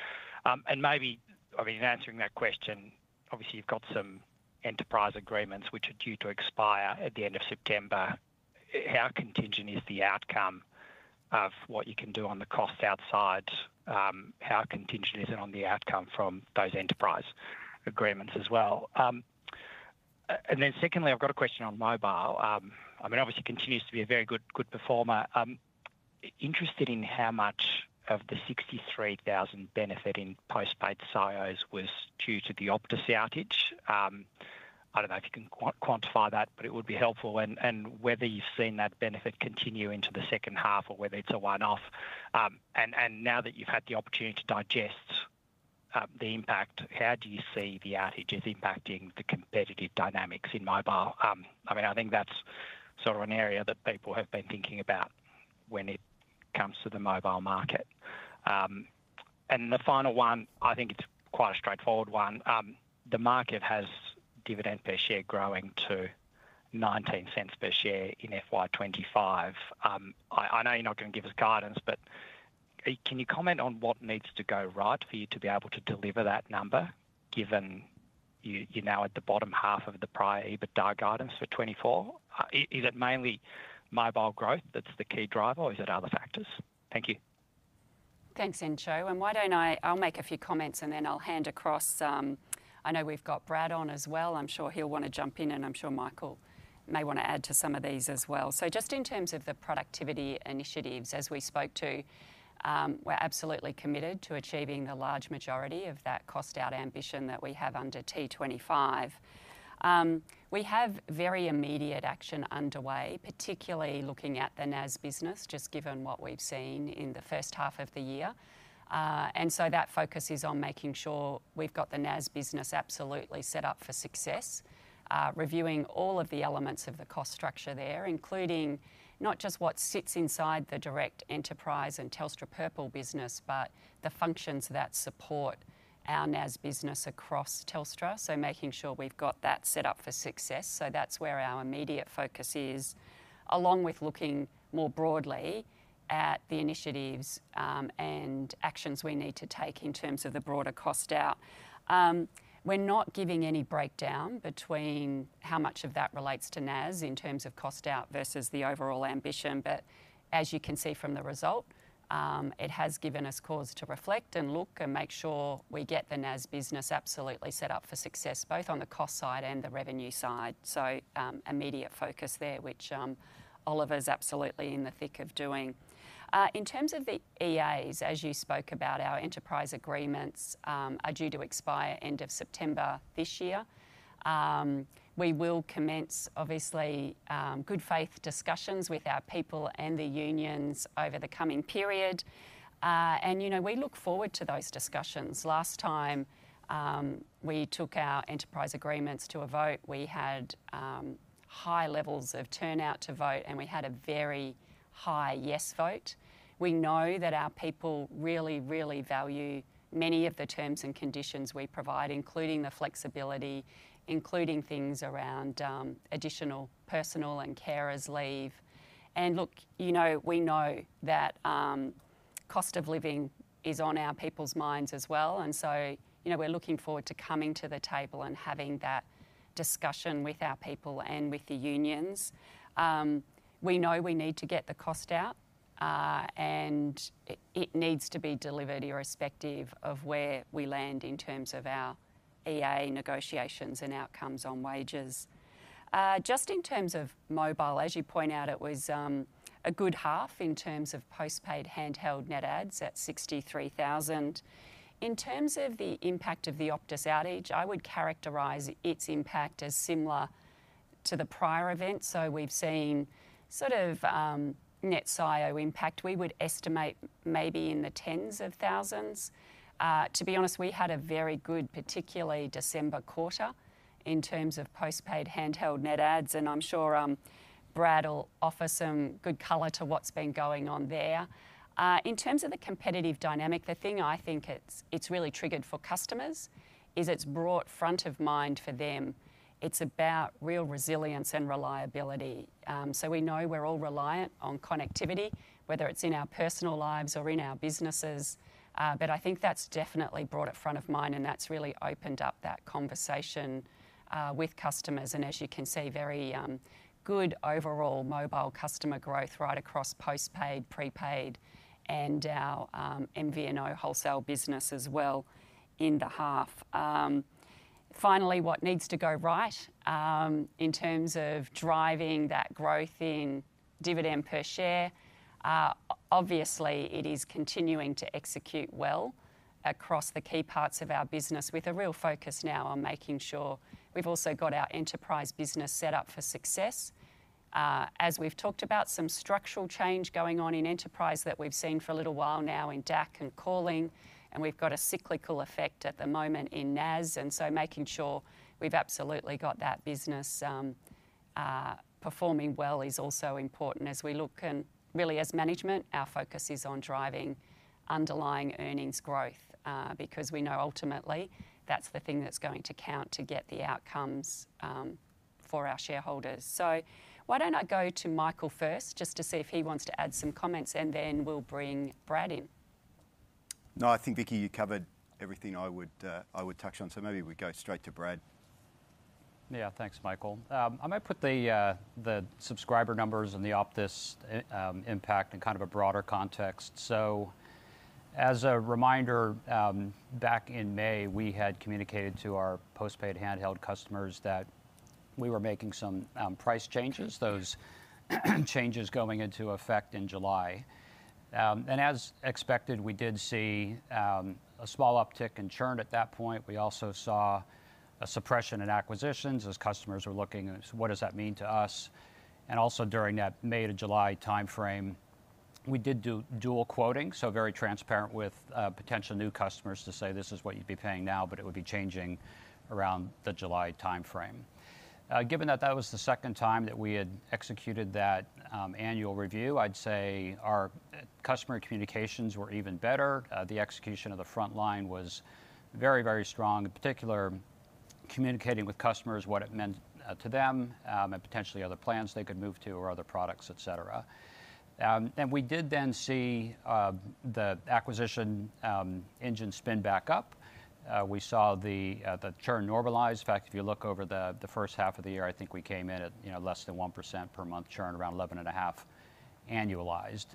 And maybe... I mean, in answering that question, obviously, you've got some enterprise agreements which are due to expire at the end of September. How contingent is the outcome of what you can do on the cost out, how contingent is it on the outcome from those enterprise agreements as well? And then secondly, I've got a question on mobile. I mean, obviously continues to be a very good, good performer. Interested in how much of the 63,000 benefit in post-paid CIOs was due to the Optus outage. I don't know if you can quantify that, but it would be helpful. And whether you've seen that benefit continue into the second half or whether it's a one-off. And now that you've had the opportunity to digest the impact, how do you see the outages impacting the competitive dynamics in mobile? I mean, I think that's sort of an area that people have been thinking about when it comes to the mobile market. And the final one, I think it's quite a straightforward one. The market has dividend per share growing to 0.19 per share in FY 2025. I know you're not going to give us guidance, but can you comment on what needs to go right for you to be able to deliver that number, given you're now at the bottom half of the prior EBITDA guidance for 2024? Is it mainly mobile growth that's the key driver, or is it other factors? Thank you. Thanks, Entcho. Why don't I... I'll make a few comments, and then I'll hand across. I know we've got Brad on as well. I'm sure he'll want to jump in, and I'm sure Michael may want to add to some of these as well. So just in terms of the productivity initiatives, as we spoke to, we're absolutely committed to achieving the large majority of that cost out ambition that we have under T25. We have very immediate action underway, particularly looking at the NAS business, just given what we've seen in the first half of the year. And so that focus is on making sure we've got the NAS business absolutely set up for success, reviewing all of the elements of the cost structure there, including not just what sits inside the direct enterprise and Telstra Purple business, but the functions that support our NAS business across Telstra. So making sure we've got that set up for success. So that's where our immediate focus is, along with looking more broadly at the initiatives and actions we need to take in terms of the broader cost out. We're not giving any breakdown between how much of that relates to NAS in terms of cost out versus the overall ambition. As you can see from the result, it has given us cause to reflect and look and make sure we get the NAS business absolutely set up for success, both on the cost side and the revenue side. Immediate focus there, which Oliver's absolutely in the thick of doing. In terms of the EAs, as you spoke about, our enterprise agreements are due to expire end of September this year. We will commence, obviously, good faith discussions with our people and the unions over the coming period. You know, we look forward to those discussions. Last time, we took our enterprise agreements to a vote, we had high levels of turnout to vote, and we had a very high yes vote. We know that our people really, really value many of the terms and conditions we provide, including the flexibility, including things around additional personal and carers leave. Look, you know, we know that cost of living is on our people's minds as well, and so, you know, we're looking forward to coming to the table and having that discussion with our people and with the unions. We know we need to get the cost out, and it needs to be delivered irrespective of where we land in terms of our EA negotiations and outcomes on wages. Just in terms of mobile, as you point out, it was a good half in terms of postpaid handheld net adds at 63,000. In terms of the impact of the Optus outage, I would characterize its impact as similar to the prior event. So we've seen sort of net SIO impact. We would estimate maybe in the tens of thousands. To be honest, we had a very good, particularly December quarter, in terms of postpaid handheld net adds, and I'm sure Brad will offer some good color to what's been going on there. In terms of the competitive dynamic, the thing I think it's, it's really triggered for customers is it's about real resilience and reliability. So we know we're all reliant on connectivity, whether it's in our personal lives or in our businesses. But I think that's definitely brought it front of mind, and that's really opened up that conversation with customers, and as you can see, very good overall mobile customer growth right across postpaid, prepaid, and our MVNO wholesale business as well in the half. Finally, what needs to go right in terms of driving that growth in dividend per share, obviously, it is continuing to execute well across the key parts of our business, with a real focus now on making sure we've also got our enterprise business set up for success. As we've talked about, some structural change going on in enterprise that we've seen for a little while now in DAC and calling, and we've got a cyclical effect at the moment in NAS, and so making sure we've absolutely got that business performing well is also important as we look and really, as management, our focus is on driving underlying earnings growth, because we know ultimately that's the thing that's going to count to get the outcomes for our shareholders. So why don't I go to Michael first, just to see if he wants to add some comments, and then we'll bring Brad in. No, I think, Vicki, you covered everything I would, I would touch on, so maybe we go straight to Brad. Yeah. Thanks, Michael. I might put the subscriber numbers and the Optus impact in kind of a broader context. So as a reminder, back in May, we had communicated to our postpaid handheld customers that we were making some price changes, those changes going into effect in July. And as expected, we did see a small uptick in churn at that point. We also saw a suppression in acquisitions as customers were looking at: "What does that mean to us?" And also during that May to July timeframe, we did do dual quoting, so very transparent with potential new customers to say, "This is what you'd be paying now, but it would be changing around the July timeframe." Given that that was the second time that we had executed that annual review, I'd say our customer communications were even better. The execution of the front line was very, very strong, in particular, communicating with customers what it meant to them, and potentially other plans they could move to or other products, et cetera. And we did then see the acquisition engine spin back up. We saw the churn normalize. In fact, if you look over the first half of the year, I think we came in at, you know, less than 1% per month churn, around 11.5 annualized.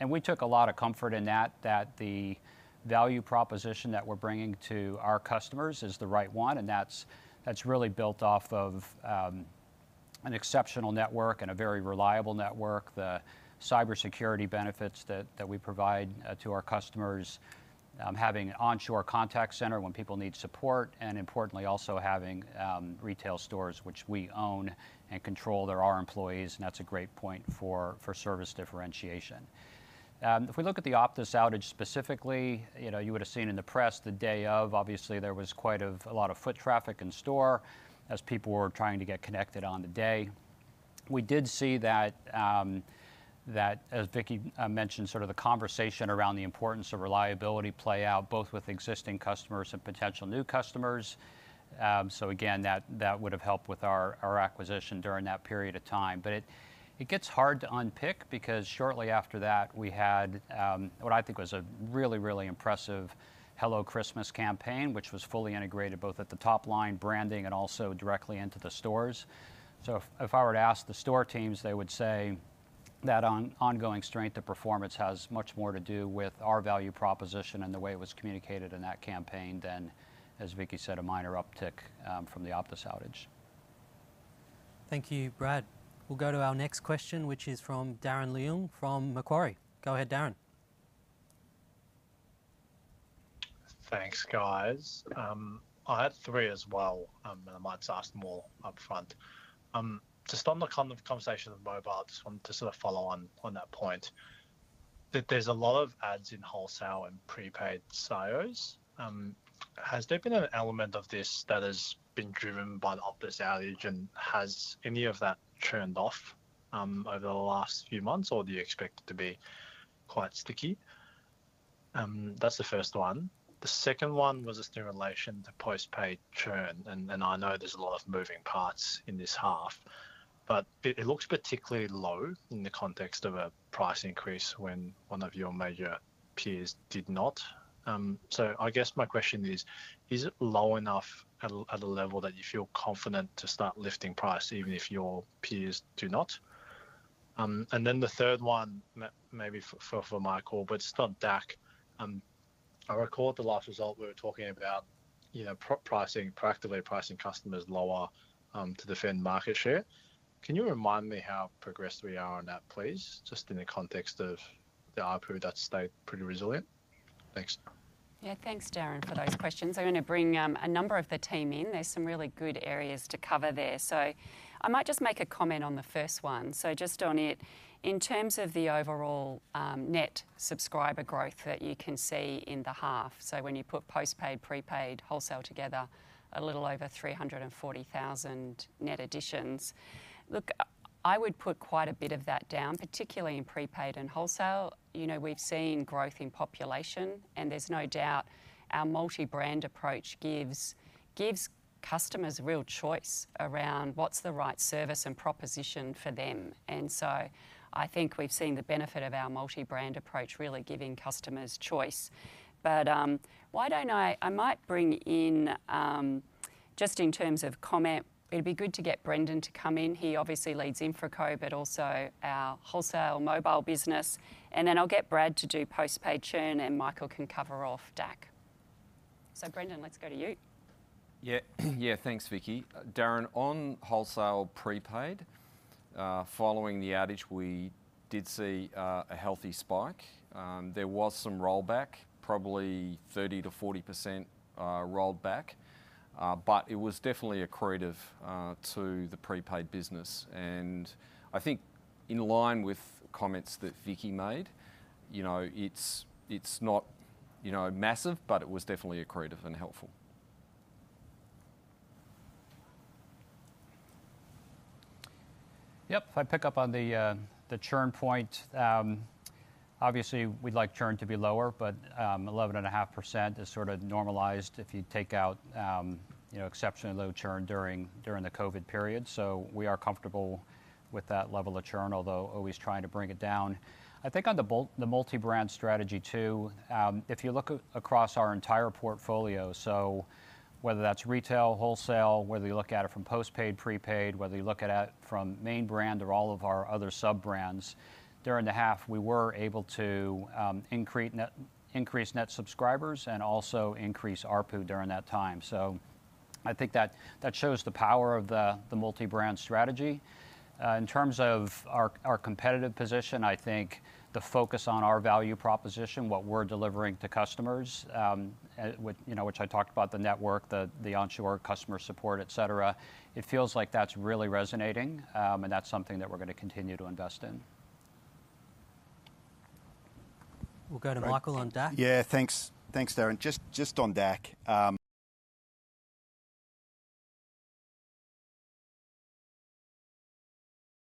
And we took a lot of comfort in that, that the value proposition that we're bringing to our customers is the right one, and that's really built off of an exceptional network and a very reliable network, the cybersecurity benefits that we provide to our customers, having onshore contact center when people need support, and importantly, also having retail stores, which we own and control. They're our employees, and that's a great point for service differentiation. If we look at the Optus outage specifically, you know, you would have seen in the press the day of, obviously, there was quite of... A lot of foot traffic in store as people were trying to get connected on the day. We did see that, as Vicki mentioned, sort of the conversation around the importance of reliability play out, both with existing customers and potential new customers. So again, that would have helped with our acquisition during that period of time. But it gets hard to unpick, because shortly after that, we had what I think was a really, really impressive Hello Christmas campaign, which was fully integrated both at the top line branding and also directly into the stores. So if I were to ask the store teams, they would say that ongoing strength of performance has much more to do with our value proposition and the way it was communicated in that campaign than, as Vicki said, a minor uptick from the Optus outage. Thank you, Brad. We'll go to our next question, which is from Darren Leung from Macquarie. Go ahead, Darren. Thanks, guys. I had three as well, and I might just ask them all upfront. Just on the conversation of mobile, I just want to sort of follow on, on that point, that there's a lot of adds in wholesale and prepaid SIOS. Has there been an element of this that has been driven by the Optus outage, and has any of that churned off, over the last few months, or do you expect it to be quite sticky?... That's the first one. The second one was just in relation to postpaid churn, and I know there's a lot of moving parts in this half, but it looks particularly low in the context of a price increase when one of your major peers did not. So I guess my question is: Is it low enough at a level that you feel confident to start lifting price, even if your peers do not? And then the third one, maybe for Michael, but it's on DAC. I recall at the last result, we were talking about, you know, proactively pricing customers lower, to defend market share. Can you remind me how progressed we are on that, please? Just in the context of the ARPU, that's stayed pretty resilient. Thanks. Yeah, thanks, Darren, for those questions. I'm gonna bring a number of the team in. There's some really good areas to cover there. So I might just make a comment on the first one. So just on it, in terms of the overall net subscriber growth that you can see in the half, so when you put postpaid, prepaid, wholesale together, a little over 340,000 net additions. Look, I would put quite a bit of that down, particularly in prepaid and wholesale. You know, we've seen growth in population, and there's no doubt our multi-brand approach gives, gives customers real choice around what's the right service and proposition for them. And so I think we've seen the benefit of our multi-brand approach, really giving customers choice. But why don't I... I might bring in, just in terms of comment, it'd be good to get Brendon to come in. He obviously leads InfraCo, but also our wholesale mobile business, and then I'll get Brad to do postpaid churn, and Michael can cover off DAC. So, Brendon, let's go to you. Yeah. Yeah, thanks, Vicki. Darren, on wholesale prepaid, following the outage, we did see a healthy spike. There was some rollback, probably 30%-40% rolled back, but it was definitely accretive to the prepaid business, and I think in line with comments that Vicki made, you know, it's, it's not, you know, massive, but it was definitely accretive and helpful. Yep, if I pick up on the churn point, obviously, we'd like churn to be lower, but eleven and a half percent is sort of normalized if you take out, you know, exceptionally low churn during the COVID period. So we are comfortable with that level of churn, although always trying to bring it down. I think on the multi-brand strategy, too, if you look across our entire portfolio, so whether that's retail, wholesale, whether you look at it from postpaid, prepaid, whether you look at it from main brand or all of our other sub-brands, during the half, we were able to increase net, increase net subscribers and also increase ARPU during that time. So I think that shows the power of the multi-brand strategy. In terms of our competitive position, I think the focus on our value proposition, what we're delivering to customers, with, you know, which I talked about, the network, the onshore customer support, et cetera, it feels like that's really resonating, and that's something that we're gonna continue to invest in. We'll go to Michael on DAC. Yeah, thanks. Thanks, Darren. Just on DAC,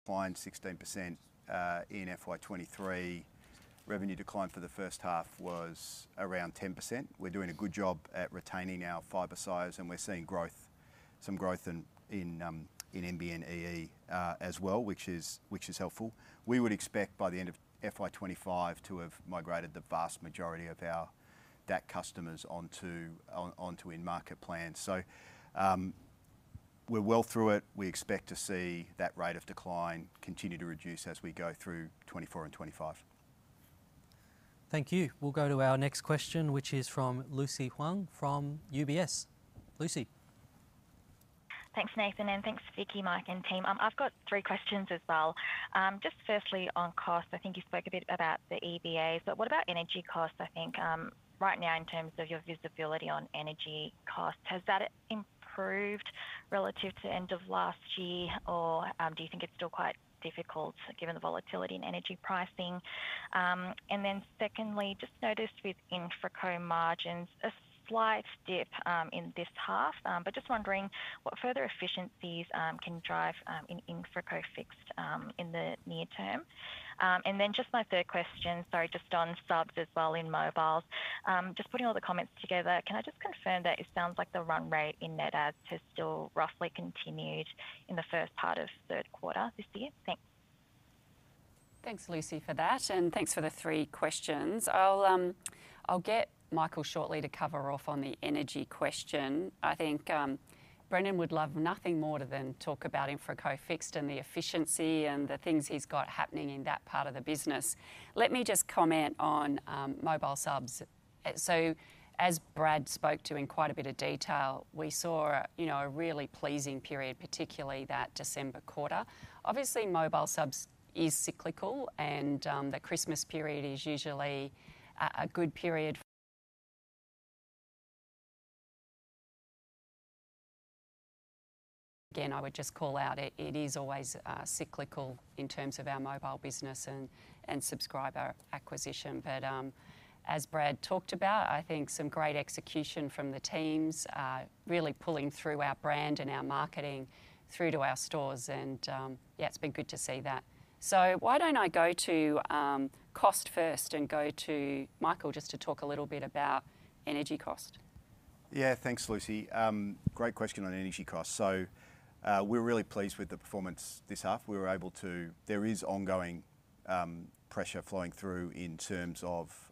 declined 16% in FY 2023. Revenue decline for the first half was around 10%. We're doing a good job at retaining our fiber size, and we're seeing growth, some growth in NBN EE as well, which is helpful. We would expect by the end of FY 2025 to have migrated the vast majority of our DAC customers onto in-market plans. So, we're well through it. We expect to see that rate of decline continue to reduce as we go through 2024 and 2025. Thank you. We'll go to our next question, which is from Lucy Huang from UBS. Lucy? Thanks, Nathan, and thanks, Vicki, Mike, and team. I've got three questions as well. Just firstly, on cost, I think you spoke a bit about the EBAs, but what about energy costs? I think, right now, in terms of your visibility on energy costs, has that improved relative to end of last year, or, do you think it's still quite difficult, given the volatility in energy pricing? And then secondly, just noticed with InfraCo margins, a slight dip, in this half, but just wondering what further efficiencies, can you derive, in InfraCo Fixed, in the near term? And then just my third question, sorry, just on subs as well in mobile. Just putting all the comments together, can I just confirm that it sounds like the run rate in net adds has still roughly continued in the first part of third quarter this year? Thanks. Thanks, Lucy, for that, and thanks for the three questions. I'll get Michael shortly to cover off on the energy question. I think Brendon would love nothing more than talk about InfraCo Fixed and the efficiency and the things he's got happening in that part of the business. Let me just comment on mobile subs. So as Brad spoke to in quite a bit of detail, we saw, you know, a really pleasing period, particularly that December quarter. Obviously, mobile subs is cyclical, and the Christmas period is usually a good period. Again, I would just call out, it is always cyclical in terms of our mobile business and subscriber acquisition. But, as Brad talked about, I think some great execution from the teams, really pulling through our brand and our marketing through to our stores, and, yeah, it's been good to see that. Why don't I go to cost first and go to Michael just to talk a little bit about energy cost?... Yeah, thanks, Lucy. Great question on energy costs. So, we're really pleased with the performance this half. There is ongoing pressure flowing through in terms of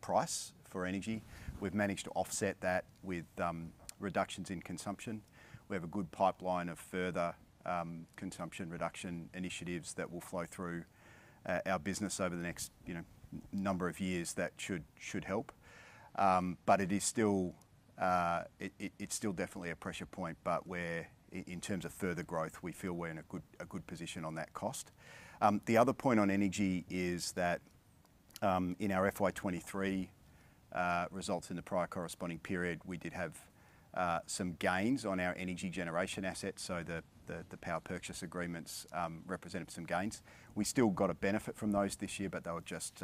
price for energy. We've managed to offset that with reductions in consumption. We have a good pipeline of further consumption reduction initiatives that will flow through our business over the next, you know, number of years. That should help. But it is still... It's still definitely a pressure point, but we're in terms of further growth, we feel we're in a good position on that cost. The other point on energy is that, in our FY 2023 results in the prior corresponding period, we did have some gains on our energy generation assets, so the power purchase agreements represented some gains. We still got a benefit from those this year, but they were just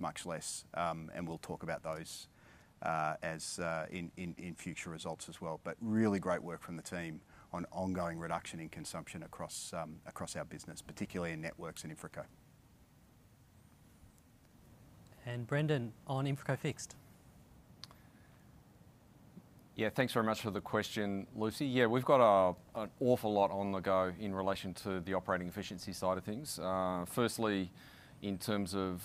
much less, and we'll talk about those in future results as well. But really great work from the team on ongoing reduction in consumption across our business, particularly in Networks and InfraCo. Brendon, on InfraCo Fixed? Yeah, thanks very much for the question, Lucy. Yeah, we've got an awful lot on the go in relation to the operating efficiency side of things. Firstly, in terms of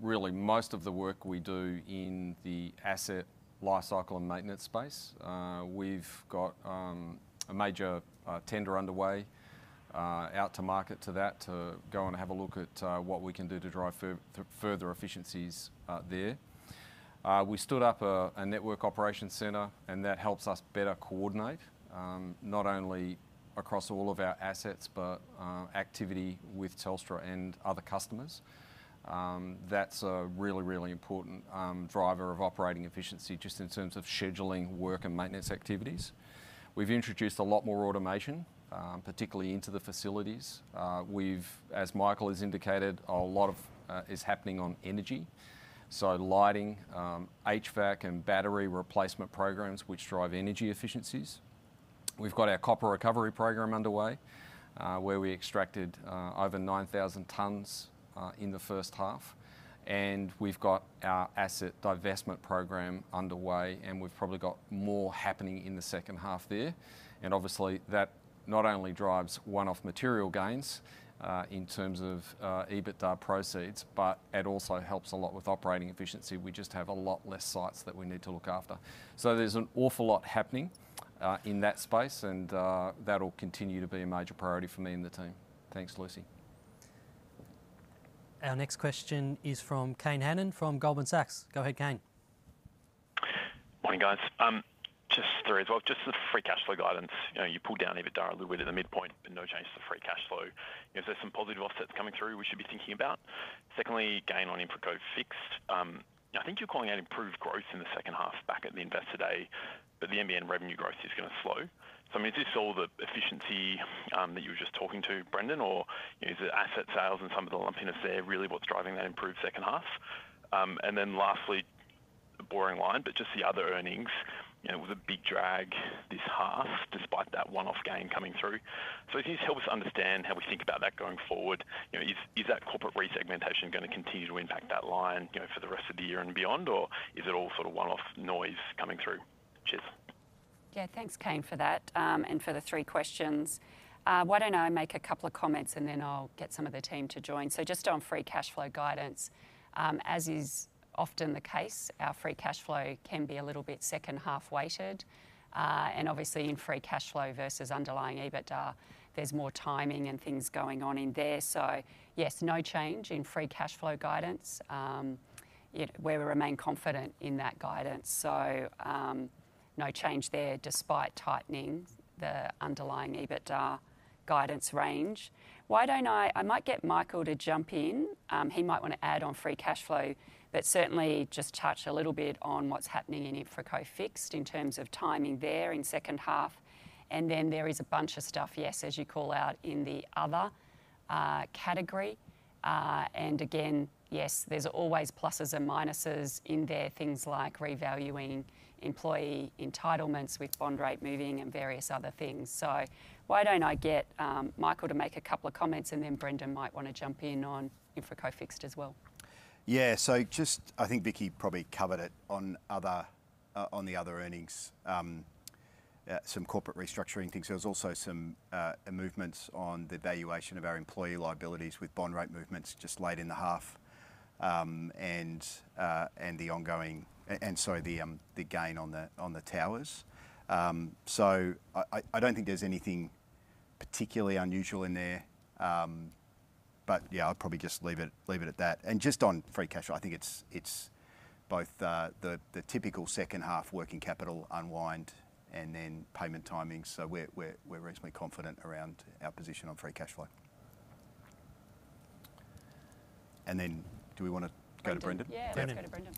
really most of the work we do in the asset lifecycle and maintenance space, we've got a major tender underway out to market to go and have a look at what we can do to drive further efficiencies out there. We stood up a network operation center, and that helps us better coordinate not only across all of our assets, but activity with Telstra and other customers. That's a really, really important driver of operating efficiency, just in terms of scheduling work and maintenance activities. We've introduced a lot more automation, particularly into the facilities. We've, as Michael has indicated, a lot of is happening on energy, so lighting, HVAC, and battery replacement programs, which drive energy efficiencies. We've got our copper recovery program underway, where we extracted over 9,000 tonnes in the first half, and we've got our asset divestment program underway, and we've probably got more happening in the second half there. And obviously, that not only drives one-off material gains in terms of EBITDA proceeds, but it also helps a lot with operating efficiency. We just have a lot less sites that we need to look after. So there's an awful lot happening in that space, and that'll continue to be a major priority for me and the team. Thanks, Lucy. Our next question is from Kane Hannan from Goldman Sachs. Go ahead, Kane. Morning, guys. Just three as well. Just the free cash flow guidance. You know, you pulled down EBITDA a little bit at the midpoint, but no change to the free cash flow. Is there some positive offsets coming through we should be thinking about? Secondly, gain on InfraCo Fixed. I think you're calling out improved growth in the second half back at the Investor Day, but the NBN revenue growth is gonna slow. So, I mean, is this all the efficiency that you were just talking to, Brendon, or is it asset sales and some of the lumpiness there really what's driving that improved second half? And then lastly, the boring line, but just the Other earnings, you know, was a big drag this half, despite that one-off gain coming through. So can you just help us understand how we think about that going forward? You know, is that corporate resegmentation gonna continue to impact that line, you know, for the rest of the year and beyond, or is it all sort of one-off noise coming through? Cheers. Yeah, thanks, Kane, for that, and for the three questions. Why don't I make a couple of comments, and then I'll get some of the team to join? So just on free cash flow guidance, as is often the case, our free cash flow can be a little bit second-half weighted. And obviously, in free cash flow versus underlying EBITDA, there's more timing and things going on in there. So yes, no change in free cash flow guidance. Yet we remain confident in that guidance, so, no change there, despite tightening the underlying EBITDA guidance range. Why don't I... I might get Michael to jump in. He might want to add on free cash flow, but certainly just touch a little bit on what's happening in InfraCo Fixed in terms of timing there in second half, and then there is a bunch of stuff, yes, as you call out, in the Other, category. And again, yes, there's always pluses and minuses in there, things like revaluing employee entitlements with bond rate moving and various other things. So why don't I get, Michael to make a couple of comments, and then Brendon might want to jump in on InfraCo Fixed as well. Yeah, so just... I think Vicki probably covered it on Other, on the Other earnings. Some corporate restructuring things. There was also some movements on the valuation of our employee liabilities with bond rate movements just late in the half. And the ongoing... And so the gain on the towers. So I don't think there's anything particularly unusual in there. But yeah, I'd probably just leave it at that. And just on free cash flow, I think it's both the typical second half working capital unwind and then payment timing. So we're reasonably confident around our position on free cash flow. And then do we want to go to Brendon? Brendon? Yeah, let's go to Brendon.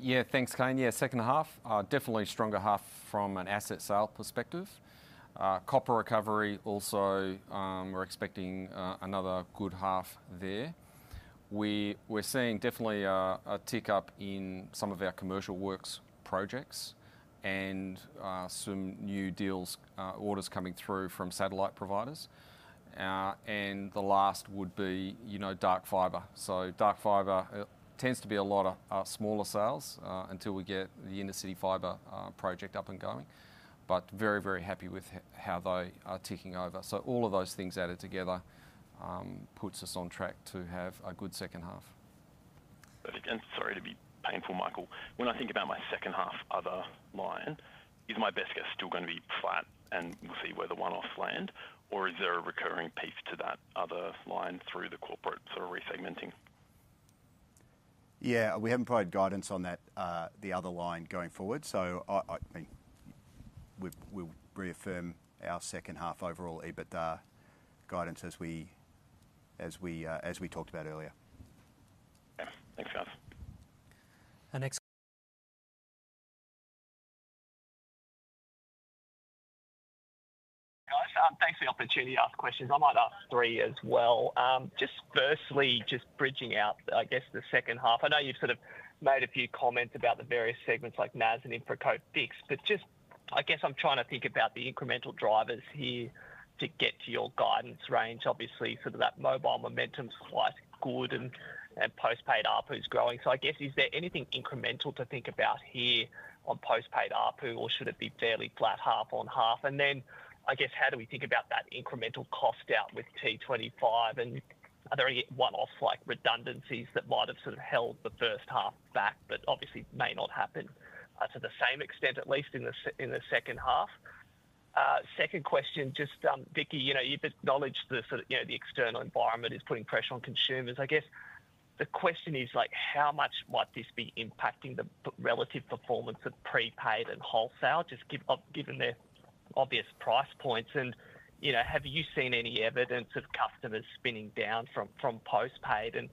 Yeah, thanks, Kane. Yeah, second half, definitely a stronger half from an asset sale perspective. Copper recovery, also, we're expecting another good half there. We're seeing definitely a tick-up in some of our commercial works projects and some new deals, orders coming through from satellite providers. And the last would be, you know, dark fiber. So dark fiber, it tends to be a lot of smaller sales until we get the Intercity Fibre project up and going. But very, very happy with how they are ticking over. So all of those things added together puts us on track to have a good second half. Perfect. Sorry to be painful, Michael. When I think about my second half other line, is my best guess still going to be flat and we'll see where the one-offs land, or is there a recurring peak to that other line through the corporate sort of re-segmenting? Yeah, we haven't provided guidance on that, the other line going forward. So I think we'll reaffirm our second half overall EBITDA guidance as we talked about earlier. Yeah. Thanks, guys. Our next- Guys, thanks f or the opportunity to ask questions. I might ask three as well. Just firstly, just bridging out, I guess, the second half. I know you've sort of made a few comments about the various segments like NAS and InfraCo fixed, but just, I guess I'm trying to think about the incremental drivers here to get to your guidance range. Obviously, sort of that mobile momentum's quite good, and, and post-paid ARPU is growing. So I guess, is there anything incremental to think about here on post-paid ARPU, or should it be fairly flat, half on half? And then, I guess, how do we think about that incremental cost out with T25? Are there any one-off, like redundancies that might have sort of held the first half back, but obviously may not happen to the same extent, at least in the second half? Second question, just Vicki, you know, you've acknowledged the sort of, you know, the external environment is putting pressure on consumers. I guess the question is like, how much might this be impacting the relative performance of prepaid and wholesale, just given their obvious price points? And, you know, have you seen any evidence of customers spinning down from post-paid, and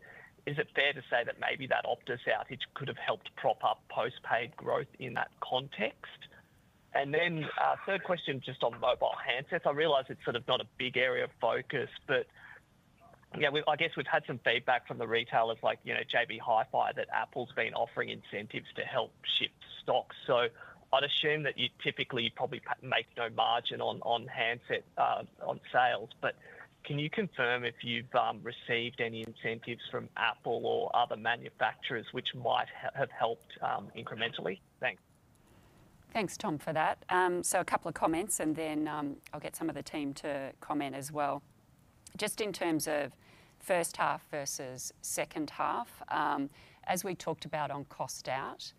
is it fair to say that maybe that Optus outage could have helped prop up post-paid growth in that context? And then, third question, just on mobile handsets. I realize it's sort of not a big area of focus, but yeah, I guess we've had some feedback from the retailers like, you know, JB Hi-Fi, that Apple's been offering incentives to help shift stock. So I'd assume that you typically probably make no margin on, on handset, on sales. But can you confirm if you've received any incentives from Apple or other manufacturers which might have helped, incrementally? Thanks. Thanks, Tom, for that. So a couple of comments and then, I'll get some of the team to comment as well. Just in terms of first half versus second half, as we talked about on cost out,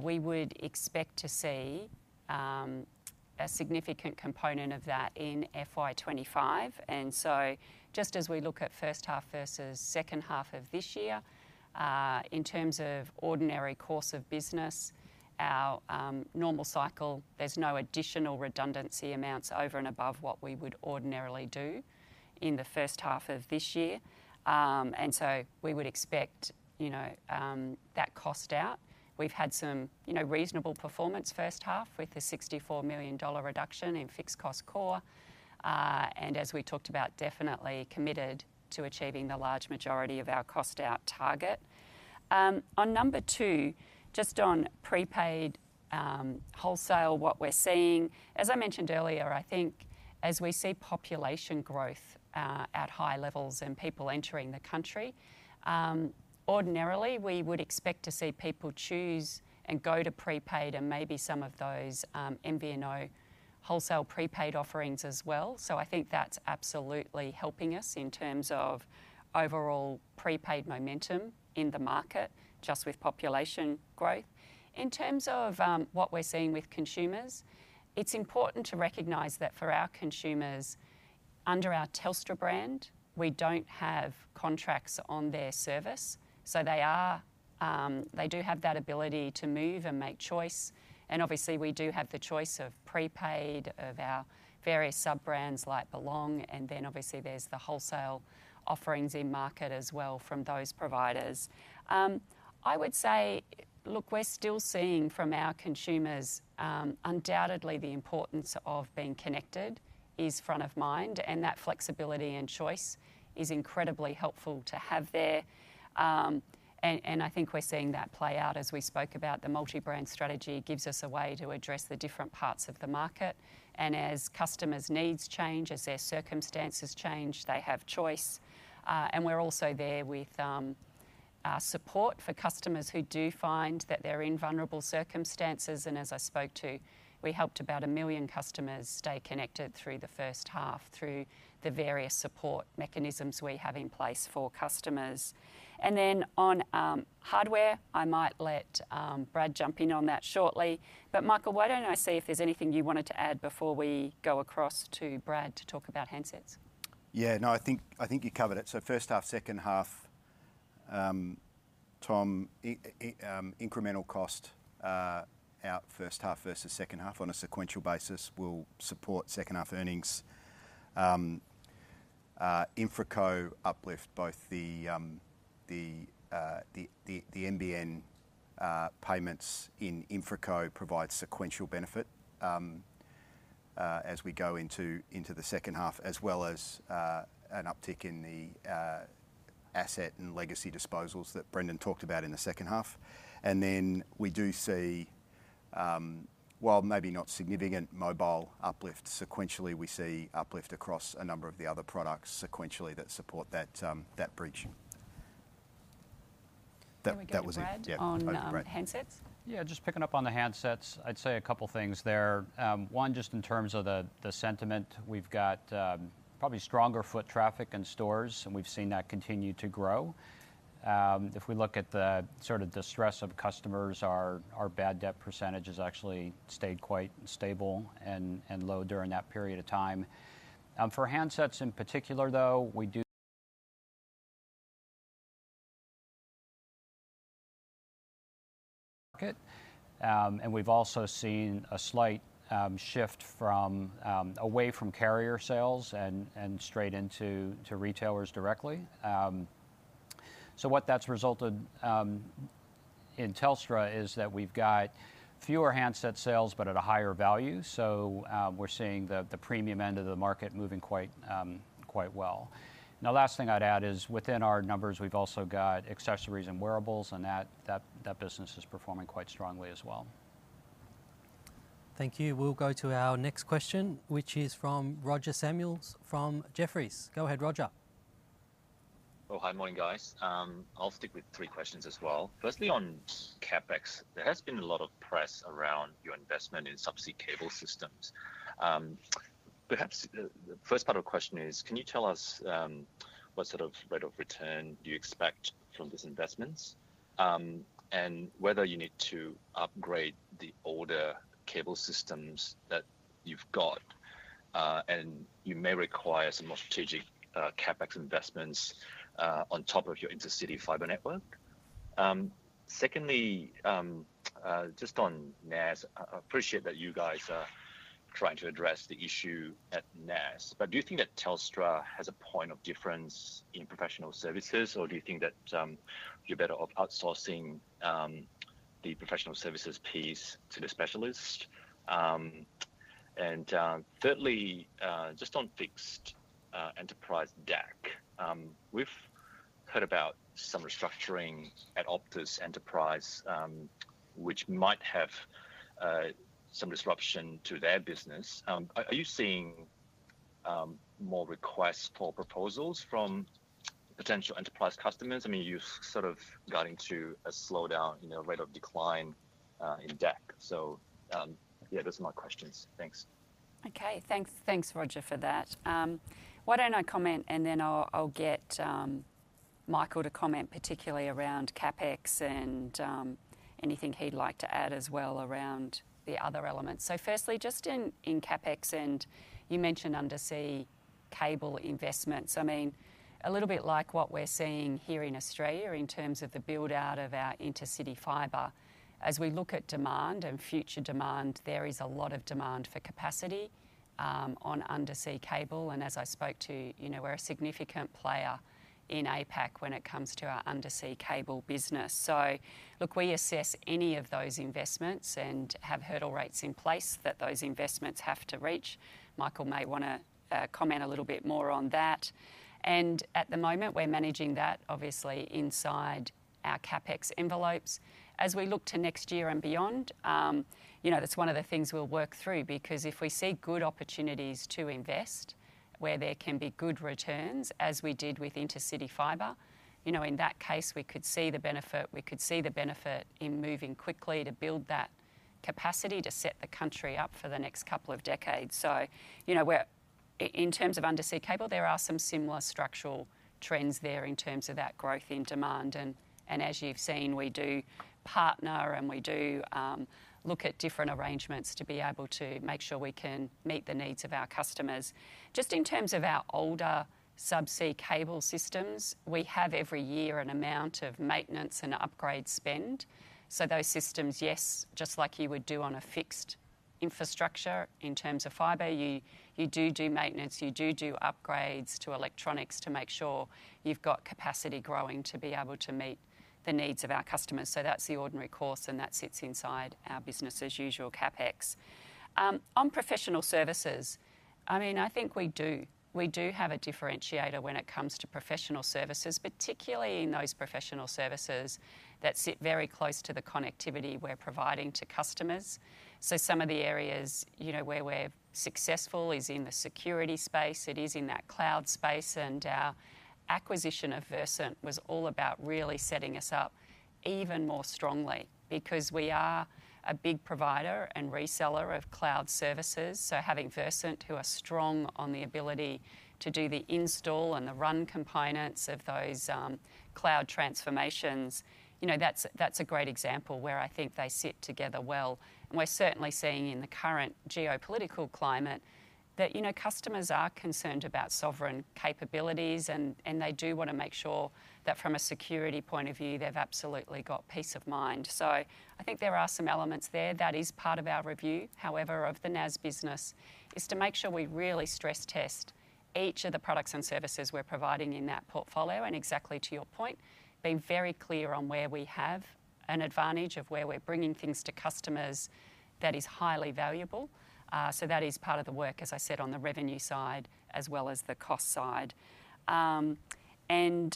we would expect to see a significant component of that in FY 25. And so just as we look at first half versus second half of this year, in terms of ordinary course of business, our normal cycle, there's no additional redundancy amounts over and above what we would ordinarily do in the first half of this year. And so we would expect, you know, that cost out. We've had some, you know, reasonable performance first half, with an 64 million dollar reduction in fixed cost core. And as we talked about, definitely committed to achieving the large majority of our cost out target. On number two, just on prepaid, wholesale, what we're seeing, as I mentioned earlier, I think as we see population growth, at high levels and people entering the country, ordinarily, we would expect to see people choose and go to prepaid and maybe some of those, MVNO wholesale prepaid offerings as well. So I think that's absolutely helping us in terms of overall prepaid momentum in the market, just with population growth. In terms of, what we're seeing with consumers, it's important to recognize that for our consumers, under our Telstra brand, we don't have contracts on their service, so they are, they do have that ability to move and make choice. And obviously, we do have the choice of prepaid, of our various sub-brands like Belong, and then obviously there's the wholesale offerings in market as well from those providers. I would say, look, we're still seeing from our consumers, undoubtedly, the importance of being connected is front of mind, and that flexibility and choice is incredibly helpful to have there. And I think we're seeing that play out. As we spoke about, the multi-brand strategy gives us a way to address the different parts of the market, and as customers' needs change, as their circumstances change, they have choice. And we're also there with support for customers who do find that they're in vulnerable circumstances. And as I spoke to, we helped about 1 million customers stay connected through the first half, through the various support mechanisms we have in place for customers. And then on hardware, I might let Brad jump in on that shortly. But Michael, why don't I see if there's anything you wanted to add before we go across to Brad to talk about handsets? Yeah. No, I think, I think you covered it. So first half, second half, Tom, incremental cost out first half versus second half on a sequential basis will support second half earnings. InfraCo uplift both the NBN payments in InfraCo provide sequential benefit as we go into the second half, as well as an uptick in the asset and legacy disposals that Brendon talked about in the second half. And then we do see, while maybe not significant mobile uplift sequentially, we see uplift across a number of the other products sequentially that support that bridge. That was it. Can we go to Brad- Yeah. On handsets? Yeah, just picking up on the handsets, I'd say a couple of things there. One, just in terms of the sentiment, we've got probably stronger foot traffic in stores, and we've seen that continue to grow. If we look at the sort of the stress of customers, our bad debt percentage has actually stayed quite stable and low during that period of time. For handsets, in particular, though, we do... And we've also seen a slight shift from away from carrier sales and straight into retailers directly. So what that's resulted in Telstra is that we've got fewer handset sales, but at a higher value. So, we're seeing the premium end of the market moving quite well. The last thing I'd add is, within our numbers, we've also got accessories and wearables, and that business is performing quite strongly as well. Thank you. We'll go to our next question, which is from Roger Samuel from Jefferies. Go ahead, Roger. Oh, hi. Morning, guys. I'll stick with three questions as well. Firstly, on CapEx, there has been a lot of press around your investment in subsea cable systems. Perhaps, the first part of the question is, can you tell us what sort of rate of return do you expect from these investments? And whether you need to upgrade the older cable systems that you've got, and you may require some more strategic CapEx investments on top of your intercity fiber network. Secondly, just on NAS, I appreciate that you guys are trying to address the issue at NAS, but do you think that Telstra has a point of difference in professional services, or do you think that you're better off outsourcing the professional services piece to the specialist? And, thirdly, just on fixed enterprise DAC. We've heard about some restructuring at Optus Enterprise, which might have some disruption to their business. Are you seeing more requests for proposals from potential enterprise customers? I mean, you've sort of got into a slowdown, you know, rate of decline in DAC. So, yeah, those are my questions. Thanks. Okay. Thanks, thanks, Roger, for that. Why don't I comment, and then I'll get Michael to comment, particularly around CapEx and anything he'd like to add as well around the other elements. So firstly, just in CapEx, and you mentioned undersea cable investments. I mean, a little bit like what we're seeing here in Australia in terms of the build-out of our intercity fiber. As we look at demand and future demand, there is a lot of demand for capacity on undersea cable, and as I spoke to, you know, we're a significant player in APAC when it comes to our undersea cable business. So look, we assess any of those investments and have hurdle rates in place that those investments have to reach. Michael may wanna comment a little bit more on that. At the moment, we're managing that obviously inside our CapEx envelopes. As we look to next year and beyond, you know, that's one of the things we'll work through, because if we see good opportunities to invest where there can be good returns, as we did with intercity fiber, you know, in that case, we could see the benefit. We could see the benefit in moving quickly to build that capacity to set the country up for the next couple of decades. So you know, we're in terms of undersea cable, there are some similar structural trends there in terms of that growth in demand, and as you've seen, we do partner, and we do look at different arrangements to be able to make sure we can meet the needs of our customers. Just in terms of our older subsea cable systems, we have every year an amount of maintenance and upgrade spend. So those systems, yes, just like you would do on a fixed infrastructure in terms of fiber, you do maintenance, you do upgrades to electronics to make sure you've got capacity growing to be able to meet the needs of our customers. So that's the ordinary course, and that sits inside our business as usual, CapEx. On professional services, I mean, I think we do have a differentiator when it comes to professional services, particularly in those professional services that sit very close to the connectivity we're providing to customers. So some of the areas, you know, where we're successful is in the security space, it is in that cloud space, and our acquisition of Versent was all about really setting us up even more strongly because we are a big provider and reseller of cloud services. So having Versent, who are strong on the ability to do the install and the run components of those cloud transformations, you know, that's, that's a great example where I think they sit together well. And we're certainly seeing in the current geopolitical climate that, you know, customers are concerned about sovereign capabilities, and, and they do want to make sure that from a security point of view, they've absolutely got peace of mind. So I think there are some elements there that is part of our review, however, of the NAS business, is to make sure we really stress test... Each of the products and services we're providing in that portfolio, and exactly to your point, being very clear on where we have an advantage of where we're bringing things to customers that is highly valuable. So that is part of the work, as I said, on the revenue side as well as the cost side. And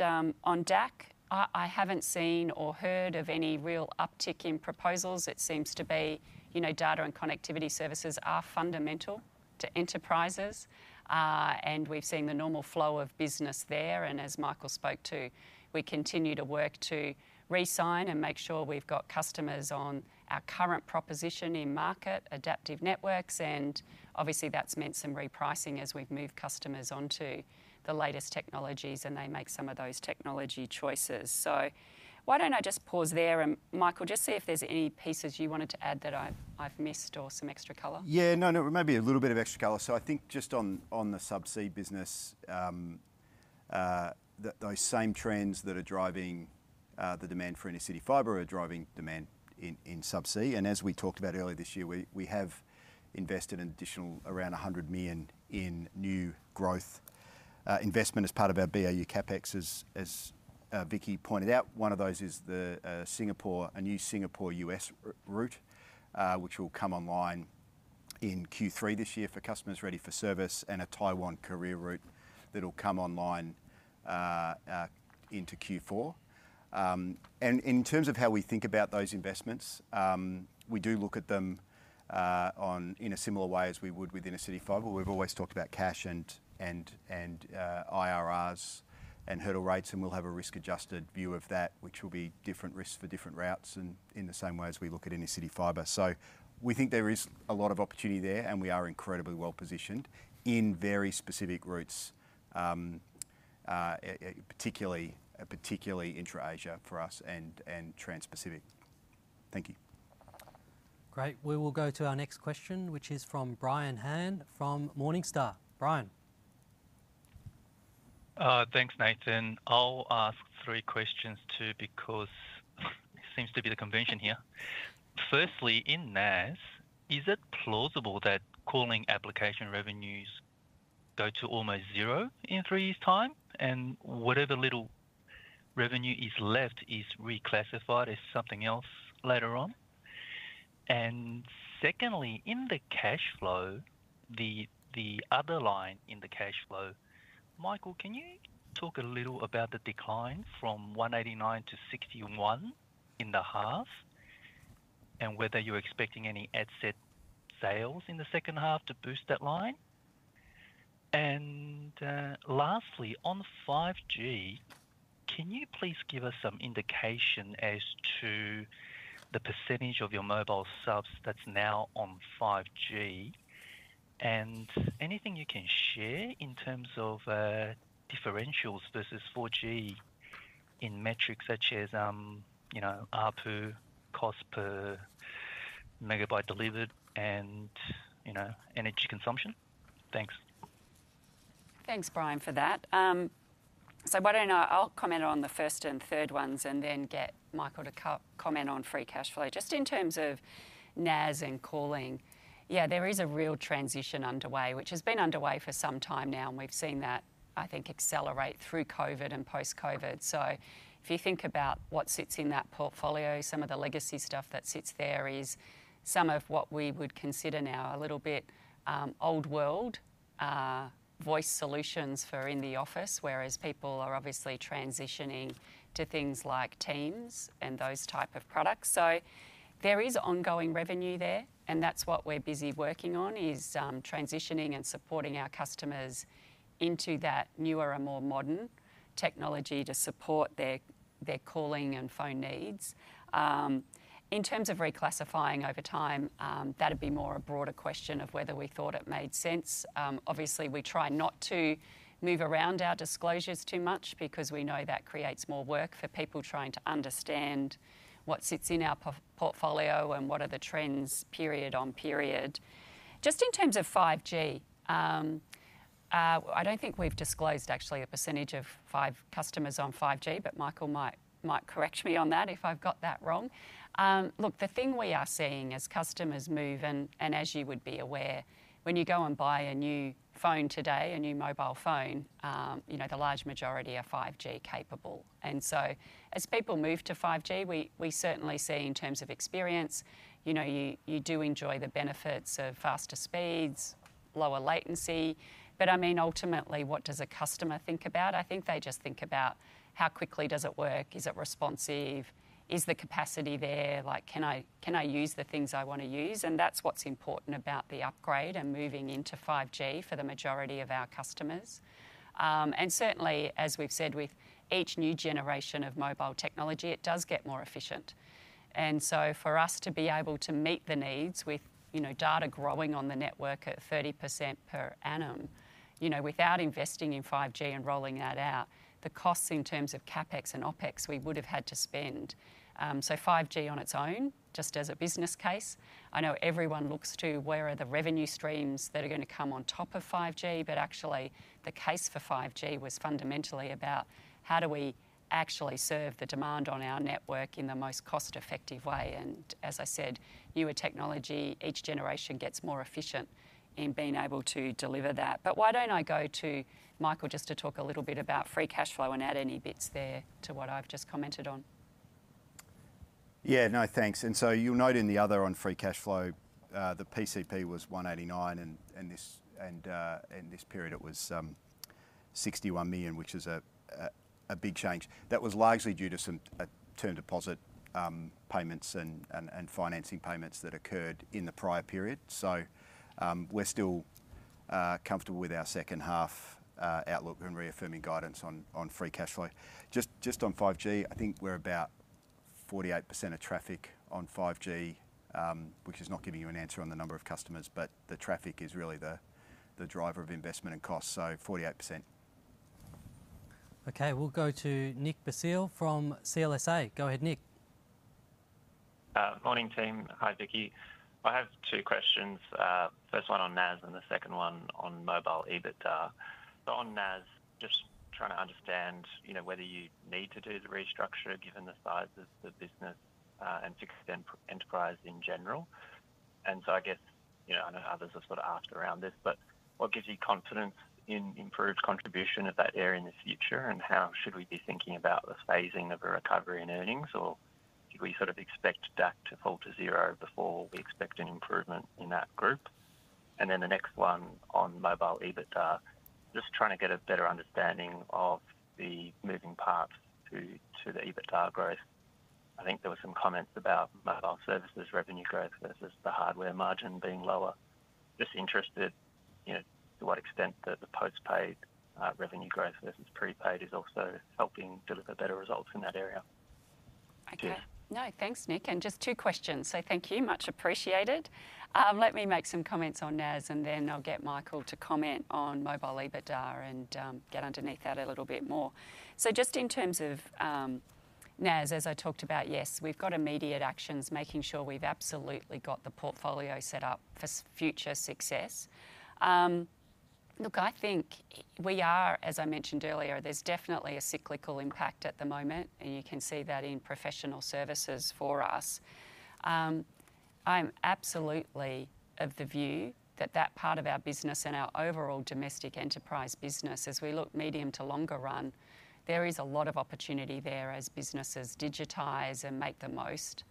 on DAC, I haven't seen or heard of any real uptick in proposals. It seems to be, you know, data and connectivity services are fundamental to enterprises, and we've seen the normal flow of business there. And as Michael spoke to, we continue to work to re-sign and make sure we've got customers on our current proposition in market, Adaptive Networks, and obviously, that's meant some repricing as we've moved customers onto the latest technologies, and they make some of those technology choices. So why don't I just pause there, and Michael, just see if there's any pieces you wanted to add that I've missed or some extra colour? Yeah. No, no, maybe a little bit of extra color. So I think just on the subsea business, those same trends that are driving the demand for inner-city fiber are driving demand in subsea. And as we talked about earlier this year, we have invested an additional around 100 million in new growth investment as part of our BAU CapEx, as Vicki pointed out. One of those is the Singapore, a new Singapore-US route, which will come online in Q3 this year for customers ready for service, and a Taiwan-Korea route that will come online into Q4. And in terms of how we think about those investments, we do look at them in a similar way as we would with inner-city fiber. We've always talked about cash and IRRs and hurdle rates, and we'll have a risk-adjusted view of that, which will be different risks for different routes and in the same way as we look at inner-city fiber. So we think there is a lot of opportunity there, and we are incredibly well positioned in very specific routes, particularly intra-Asia for us and trans-Pacific. Thank you. Great. We will go to our next question, which is from Brian Han from Morningstar. Brian? Thanks, Nathan. I'll ask three questions, too, because it seems to be the convention here. Firstly, in NAS, is it plausible that calling application revenues go to almost zero in three years' time, and whatever little revenue is left is reclassified as something else later on? And secondly, in the cash flow, the other line in the cash flow, Michael, can you talk a little about the decline from 189 to 61 in the half, and whether you're expecting any asset sales in the second half to boost that line? And lastly, on 5G, can you please give us some indication as to the percentage of your mobile subs that's now on 5G, and anything you can share in terms of differentials versus 4G in metrics such as you know, ARPU, cost per megabyte delivered, and you know, energy consumption? Thanks. Thanks, Brian, for that. So why don't I... I'll comment on the first and third ones and then get Michael to co-comment on free cash flow. Just in terms of NAS and calling, yeah, there is a real transition underway, which has been underway for some time now, and we've seen that, I think, accelerate through COVID and post-COVID. So if you think about what sits in that portfolio, some of the legacy stuff that sits there is some of what we would consider now, a little bit, old world voice solutions for in the office, whereas people are obviously transitioning to things like Teams and those type of products. So there is ongoing revenue there, and that's what we're busy working on, is transitioning and supporting our customers into that newer and more modern technology to support their, their calling and phone needs. In terms of reclassifying over time, that'd be more a broader question of whether we thought it made sense. Obviously, we try not to move around our disclosures too much because we know that creates more work for people trying to understand what sits in our portfolio and what are the trends period on period. Just in terms of 5G, I don't think we've disclosed actually a percentage of customers on 5G, but Michael might correct me on that if I've got that wrong. Look, the thing we are seeing as customers move, and as you would be aware, when you go and buy a new phone today, a new mobile phone, you know, the large majority are 5G capable. And so as people move to 5G, we certainly see in terms of experience, you know, you do enjoy the benefits of faster speeds, lower latency. But I mean, ultimately, what does a customer think about? I think they just think about how quickly does it work, is it responsive, is the capacity there? Like, can I use the things I want to use? And that's what's important about the upgrade and moving into 5G for the majority of our customers. And certainly, as we've said, with each new generation of mobile technology, it does get more efficient. And so for us to be able to meet the needs with, you know, data growing on the network at 30% per annum, you know, without investing in 5G and rolling that out, the costs in terms of CapEx and OpEx, we would have had to spend. So 5G on its own, just as a business case, I know everyone looks to where are the revenue streams that are going to come on top of 5G, but actually, the case for 5G was fundamentally about how do we actually serve the demand on our network in the most cost-effective way? And as I said, newer technology, each generation gets more efficient in being able to deliver that. But why don't I go to Michael just to talk a little bit about free cash flow and add any bits there to what I've just commented on? ... Yeah, no, thanks. And so you'll note in the other on free cash flow, the PCP was 189 million, and this, and in this period it was 61 million, which is a big change. That was largely due to some term deposit payments and financing payments that occurred in the prior period. So, we're still comfortable with our second half outlook and reaffirming guidance on free cash flow. Just on 5G, I think we're about 48% of traffic on 5G, which is not giving you an answer on the number of customers, but the traffic is really the driver of investment and cost, so 48%. Okay, we'll go to Nick Basile from CLSA. Go ahead, Nick. Morning, team. Hi, Vicki. I have two questions. First one on NAS and the second one on mobile EBITDA. So on NAS, just trying to understand, you know, whether you need to do the restructure, given the size of the business, and fixed enterprise in general. And so I guess, you know, I know others have sort of asked around this, but what gives you confidence in improved contribution of that area in the future? And how should we be thinking about the phasing of a recovery in earnings, or do we sort of expect that to fall to zero before we expect an improvement in that group? And then the next one on mobile EBITDA. Just trying to get a better understanding of the moving parts to the EBITDA growth. I think there were some comments about mobile services revenue growth versus the hardware margin being lower. Just interested, you know, to what extent that the post-paid revenue growth versus pre-paid is also helping deliver better results in that area. Okay. Yeah. No, thanks, Nick. And just two questions, so thank you. Much appreciated. Let me make some comments on NAS, and then I'll get Michael to comment on mobile EBITDA and, get underneath that a little bit more. So just in terms of, NAS, as I talked about, yes, we've got immediate actions, making sure we've absolutely got the portfolio set up for future success. Look, I think we are... As I mentioned earlier, there's definitely a cyclical impact at the moment, and you can see that in professional services for us. I'm absolutely of the view that that part of our business and our overall domestic enterprise business, as we look medium to longer run, there is a lot of opportunity there as businesses digitize and make the most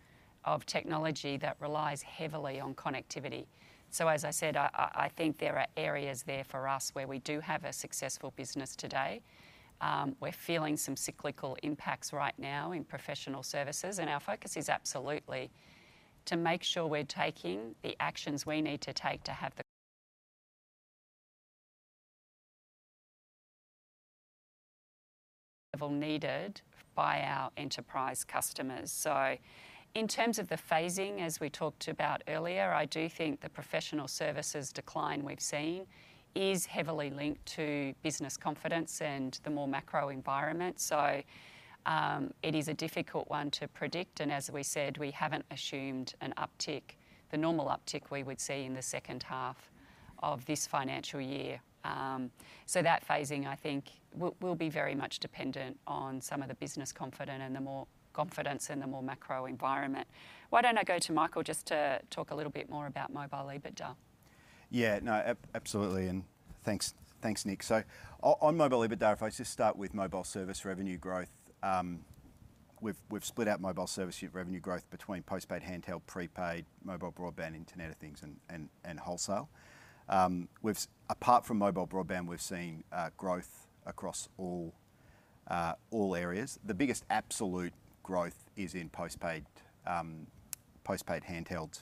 of technology that relies heavily on connectivity. So as I said, I think there are areas there for us where we do have a successful business today. We're feeling some cyclical impacts right now in professional services, and our focus is absolutely to make sure we're taking the actions we need to take to have the... level needed by our enterprise customers. So in terms of the phasing, as we talked about earlier, I do think the professional services decline we've seen is heavily linked to business confidence and the more macro environment. So, it is a difficult one to predict, and as we said, we haven't assumed an uptick, the normal uptick we would see in the second half of this financial year. So that phasing, I think, will be very much dependent on some of the business confidence and the more confidence in the more macro environment. Why don't I go to Michael just to talk a little bit more about mobile EBITDA? Yeah, no, absolutely, and thanks, thanks, Nick. So on mobile EBITDA, if I just start with mobile service revenue growth, we've split out mobile service revenue growth between post-paid handheld, pre-paid mobile broadband, Internet of Things, and wholesale. Apart from mobile broadband, we've seen growth across all areas. The biggest absolute growth is in post-paid handheld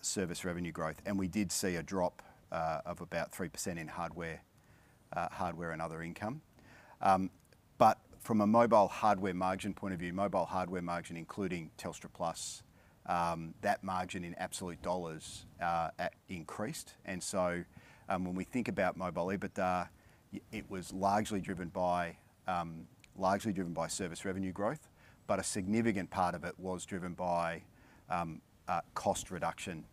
service revenue growth, and we did see a drop of about 3% in hardware and other income. But from a mobile hardware margin point of view, mobile hardware margin, including Telstra Plus, that margin in absolute dollars increased. When we think about mobile EBITDA, it was largely driven by service revenue growth, but a significant part of it was driven by cost reduction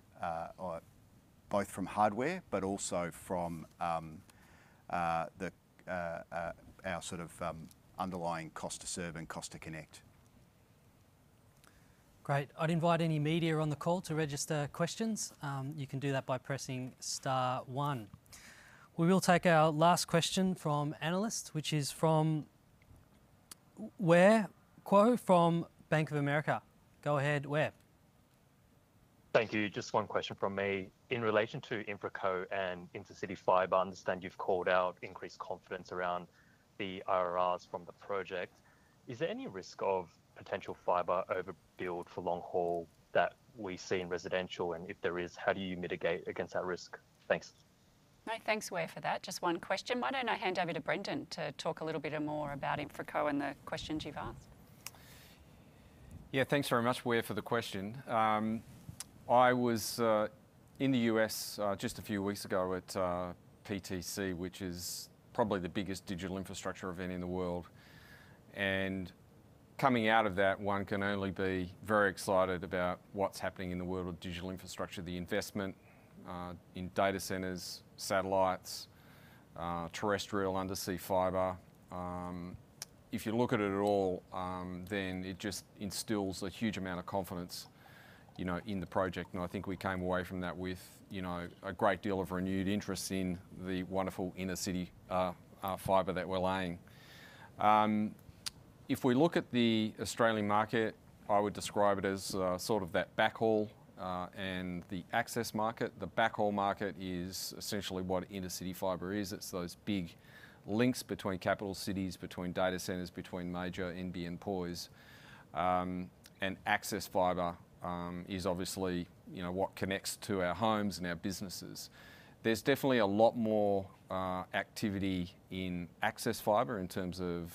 both from hardware, but also from our sort of underlying cost to serve and cost to connect. Great. I'd invite any media on the call to register questions. You can do that by pressing star one. We will take our last question from analyst, which is from Wei Kuo from Bank of America. Go ahead, Wei. Thank you. Just one question from me. In relation to InfraCo and intercity fiber, I understand you've called out increased confidence around the IRRs from the project. Is there any risk of potential fiber overbuild for long haul that we see in residential? And if there is, how do you mitigate against that risk? Thanks. No, thanks, Wei, for that. Just one question. Why don't I hand over to Brendon to talk a little bit more about InfraCo and the questions you've asked? Yeah, thanks very much, Wei, for the question. I was in the U.S. just a few weeks ago at PTC, which is probably the biggest digital infrastructure event in the world. And coming out of that, one can only be very excited about what's happening in the world of digital infrastructure, the investment in data centers, satellites, terrestrial, undersea fiber. If you look at it at all, then it just instills a huge amount of confidence... you know, in the project, and I think we came away from that with, you know, a great deal of renewed interest in the wonderful intercity fiber that we're laying. If we look at the Australian market, I would describe it as sort of that backhaul and the access market. The backhaul market is essentially what intercity fiber is. It's those big links between capital cities, between data centers, between major NBN POIs. And access fiber is obviously, you know, what connects to our homes and our businesses. There's definitely a lot more activity in access fiber in terms of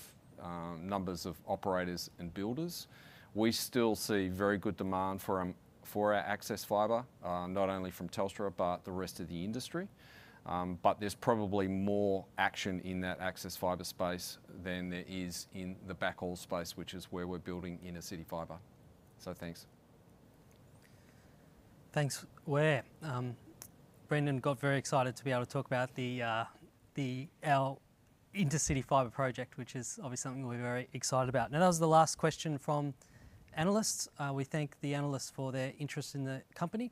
numbers of operators and builders. We still see very good demand for our access fiber, not only from Telstra, but the rest of the industry. But there's probably more action in that access fiber space than there is in the backhaul space, which is where we're building inter-city fiber. So thanks. Thanks, Wei. Brendon got very excited to be able to talk about the our inner-city fiber project, which is obviously something we're very excited about. Now, that was the last question from analysts. We thank the analysts for their interest in the company.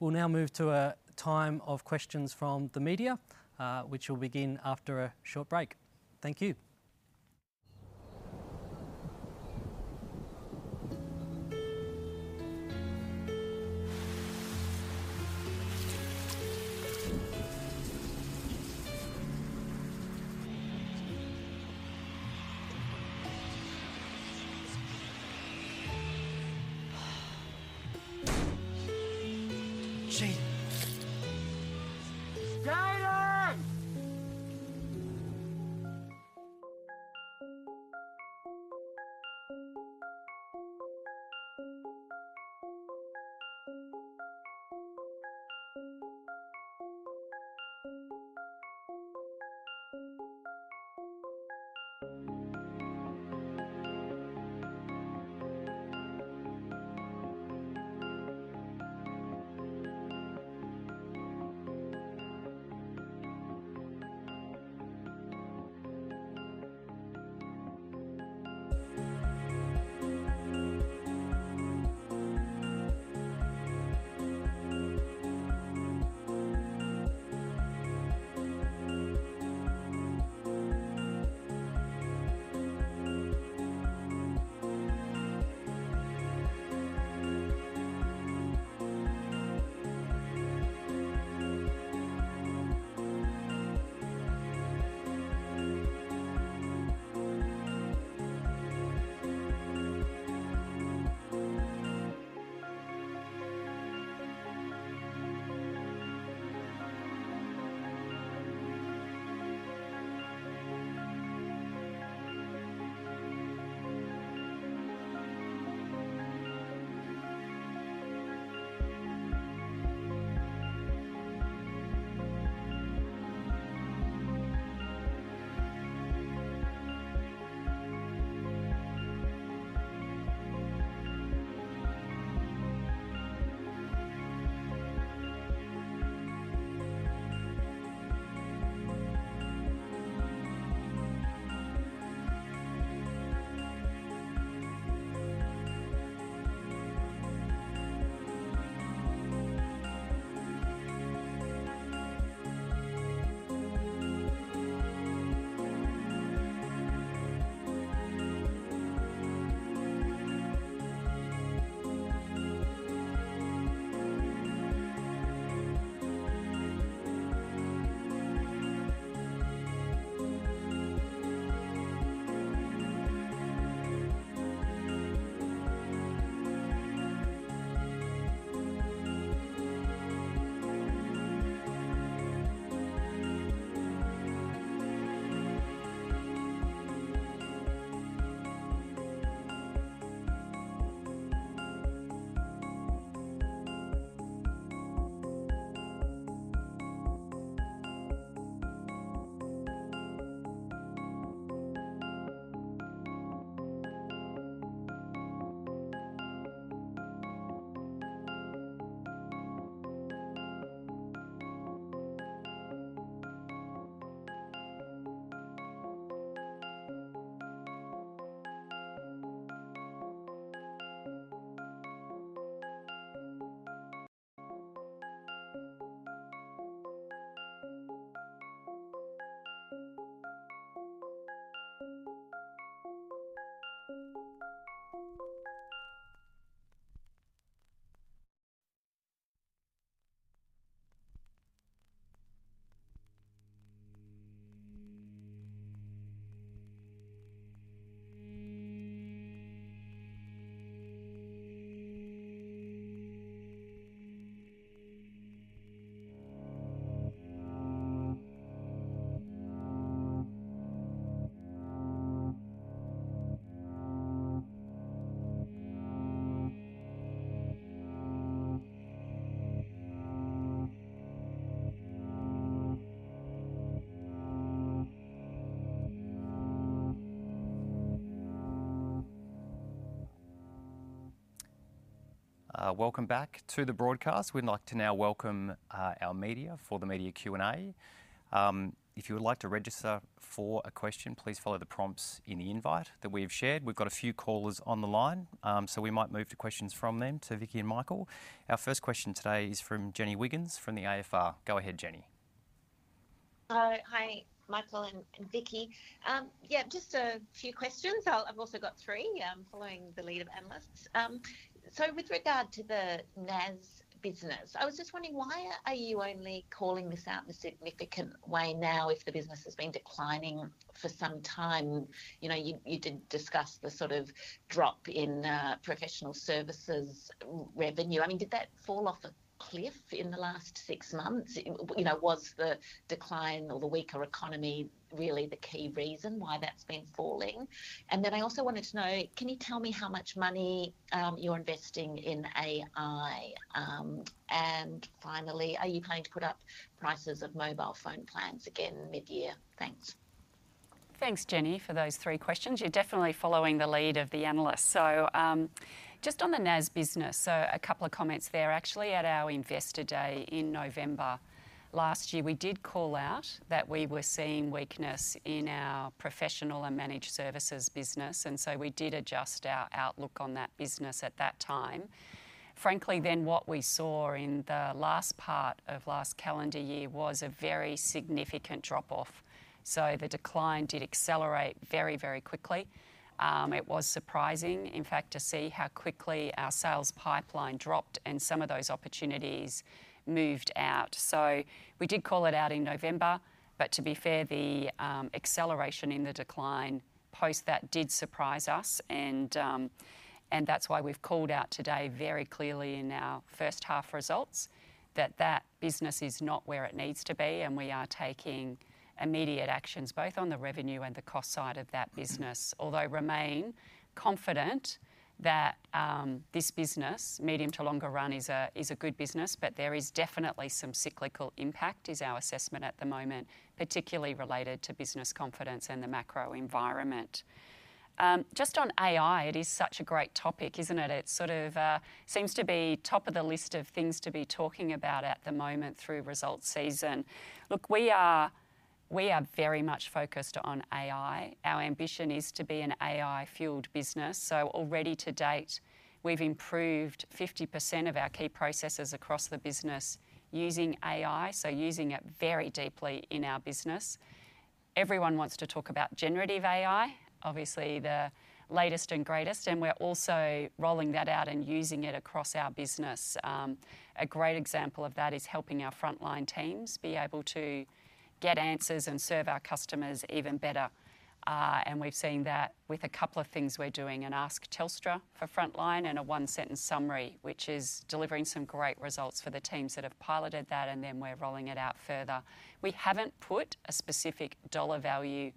We'll now move to a time of questions from the media, which will begin after a short break. Thank you. Jason. Jason! Welcome back to the broadcast. We'd like to now welcome our media for the media Q&A. If you would like to register for a question, please follow the prompts in the invite that we have shared. We've got a few callers on the line, so we might move to questions from them to Vicki and Michael. Our first question today is from Jenny Wiggins from the AFR. Go ahead, Jenny.... Hi, hi, Michael and Vicki. Yeah, just a few questions. I've also got three, following the lead of analysts. So with regard to the NAS business, I was just wondering, why are you only calling this out in a significant way now, if the business has been declining for some time? You know, you did discuss the sort of drop in professional services revenue. I mean, did that fall off a cliff in the last six months? You know, was the decline or the weaker economy really the key reason why that's been falling? And then I also wanted to know, can you tell me how much money you're investing in AI? And finally, are you planning to put up prices of mobile phone plans again mid-year? Thanks. Thanks, Jenny, for those three questions. You're definitely following the lead of the analysts. So, just on the NAS business, so a couple of comments there. Actually, at our Investor Day in November last year, we did call out that we were seeing weakness in our professional and managed services business, and so we did adjust our outlook on that business at that time. Frankly, then what we saw in the last part of last calendar year was a very significant drop-off. So the decline did accelerate very, very quickly. It was surprising, in fact, to see how quickly our sales pipeline dropped and some of those opportunities moved out. So we did call it out in November, but to be fair, the acceleration in the decline post that did surprise us, and that's why we've called out today very clearly in our first half results, that that business is not where it needs to be, and we are taking immediate actions both on the revenue and the cost side of that business. Although remain confident that this business, medium to longer run, is a good business, but there is definitely some cyclical impact, is our assessment at the moment, particularly related to business confidence and the macro environment. Just on AI, it is such a great topic, isn't it? It sort of seems to be top of the list of things to be talking about at the moment through results season. Look, we are very much focused on AI. Our ambition is to be an AI-fueled business, so already to date, we've improved 50% of our key processes across the business using AI, so using it very deeply in our business. Everyone wants to talk about generative AI, obviously the latest and greatest, and we're also rolling that out and using it across our business. A great example of that is helping our frontline teams be able to get answers and serve our customers even better. We've seen that with a couple of things we're doing, an Ask Telstra for frontline and a one-sentence summary, which is delivering some great results for the teams that have piloted that, and then we're rolling it out further. We haven't put a specific dollar value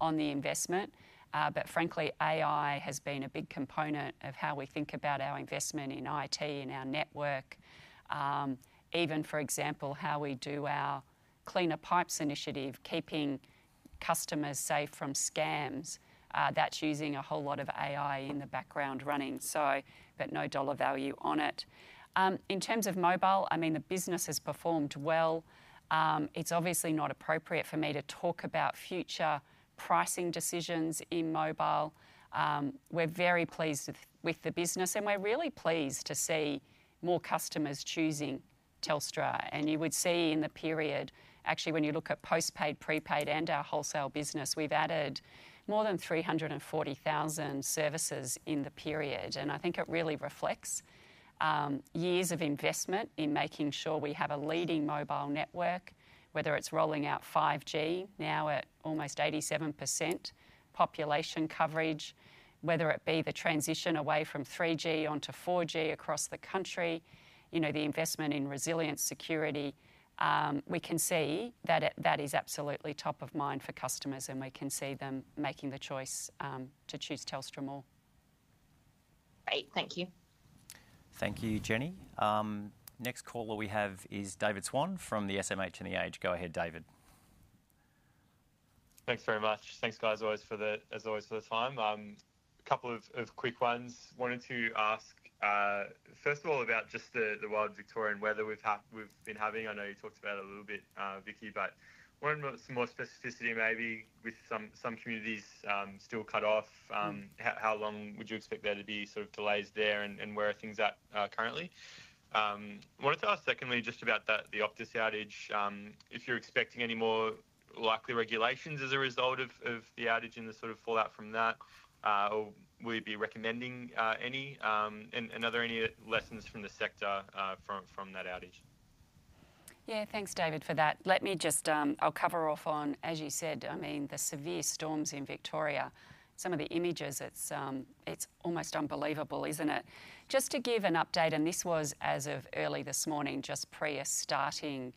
on the investment, but frankly, AI has been a big component of how we think about our investment in IT and our network. Even for example, how we do our Cleaner Pipes initiative, keeping customers safe from scams, that's using a whole lot of AI in the background running, so but no dollar value on it. In terms of mobile, I mean, the business has performed well. It's obviously not appropriate for me to talk about future pricing decisions in mobile. We're very pleased with the business, and we're really pleased to see more customers choosing Telstra. You would see in the period, actually, when you look at post-paid, pre-paid, and our wholesale business, we've added more than 340,000 services in the period. I think it really reflects years of investment in making sure we have a leading mobile network, whether it's rolling out 5G, now at almost 87% population coverage, whether it be the transition away from 3G onto 4G across the country, you know, the investment in resilience security. We can see that it is absolutely top of mind for customers, and we can see them making the choice to choose Telstra more. Great. Thank you. Thank you, Jenny. Next caller we have is David Swan from the SMH and The Age. Go ahead, David. Thanks very much. Thanks, guys, as always for the time. A couple of quick ones. Wanted to ask, first of all, about just the wild Victorian weather we've had, we've been having. I know you talked about it a little bit, Vicki, but wanted some more specificity maybe with some communities still cut off. How long would you expect there to be sort of delays there, and where are things at currently? Wanted to ask secondly, just about the Optus outage, if you're expecting any more likely regulations as a result of the outage and the sort of fallout from that, or will you be recommending any... And are there any lessons from the sector, from that outage?... Yeah, thanks, David, for that. Let me just, I'll cover off on, as you said, I mean, the severe storms in Victoria. Some of the images, it's, it's almost unbelievable, isn't it? Just to give an update, and this was as of early this morning, just prior starting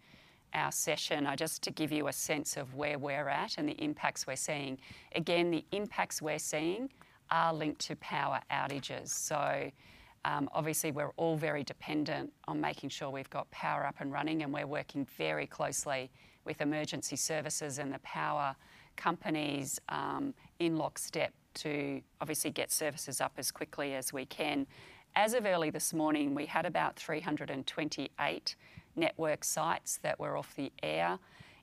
our session, just to give you a sense of where we're at and the impacts we're seeing. Again, the impacts we're seeing are linked to power outages. So, obviously, we're all very dependent on making sure we've got power up and running, and we're working very closely with emergency services and the power companies, in lockstep to obviously get services up as quickly as we can. As of early this morning, we had about 328 network sites that were off the air.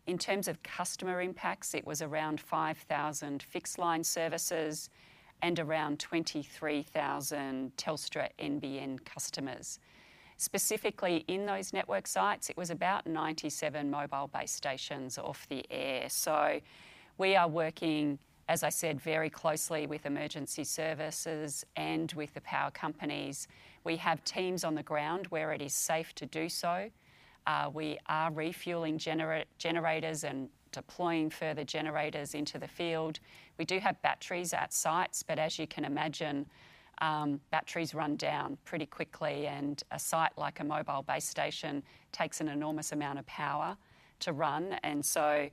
In terms of customer impacts, it was around 5,000 fixed line services and around 23,000 Telstra NBN customers. Specifically, in those network sites, it was about 97 mobile base stations off the air. So we are working, as I said, very closely with emergency services and with the power companies. We have teams on the ground where it is safe to do so. We are refueling generators and deploying further generators into the field. We do have batteries at sites, but as you can imagine, batteries run down pretty quickly, and a site like a mobile base station takes an enormous amount of power to run. And so,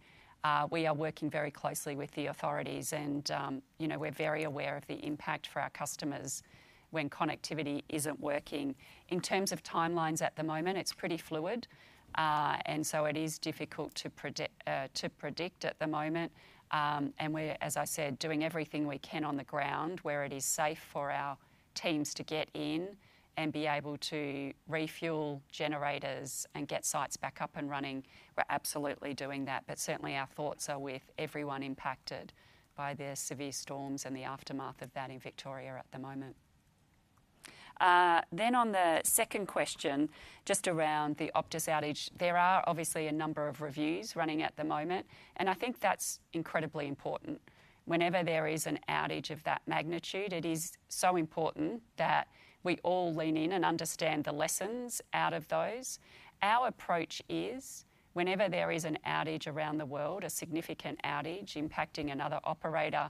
we are working very closely with the authorities and, you know, we're very aware of the impact for our customers when connectivity isn't working. In terms of timelines at the moment, it's pretty fluid, and so it is difficult to predict, to predict at the moment. And we're, as I said, doing everything we can on the ground, where it is safe for our teams to get in and be able to refuel generators and get sites back up and running. We're absolutely doing that, but certainly our thoughts are with everyone impacted by the severe storms and the aftermath of that in Victoria at the moment. Then on the second question, just around the Optus outage, there are obviously a number of reviews running at the moment, and I think that's incredibly important. Whenever there is an outage of that magnitude, it is so important that we all lean in and understand the lessons out of those. Our approach is, whenever there is an outage around the world, a significant outage impacting another operator,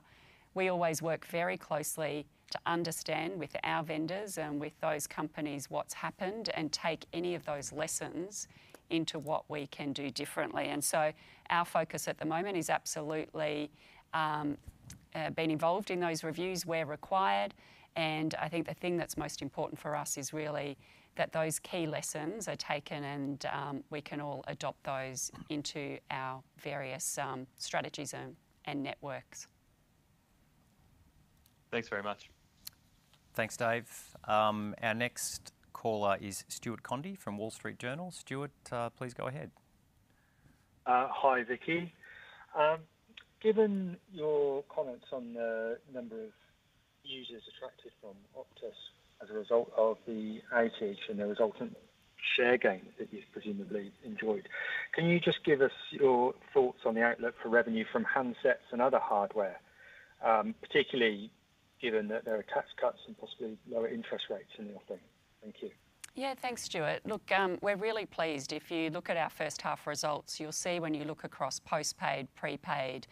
we always work very closely to understand with our vendors and with those companies what's happened, and take any of those lessons into what we can do differently. And so our focus at the moment is absolutely, being involved in those reviews where required. And I think the thing that's most important for us is really that those key lessons are taken and, we can all adopt those into our various, strategies and, and networks. Thanks very much. Thanks, Dave. Our next caller is Stuart Condie from Wall Street Journal. Stuart, please go ahead. Hi, Vicki. Given your comments on the number of users attracted from Optus as a result of the outage and the resultant share gain that you've presumably enjoyed, can you just give us your thoughts on the outlook for revenue from handsets and other hardware? Particularly given that there are tax cuts and possibly lower interest rates in the offing. Thank you. Yeah, thanks, Stuart. Look, we're really pleased. If you look at our first half results, you'll see when you look across post-paid, pre-paid,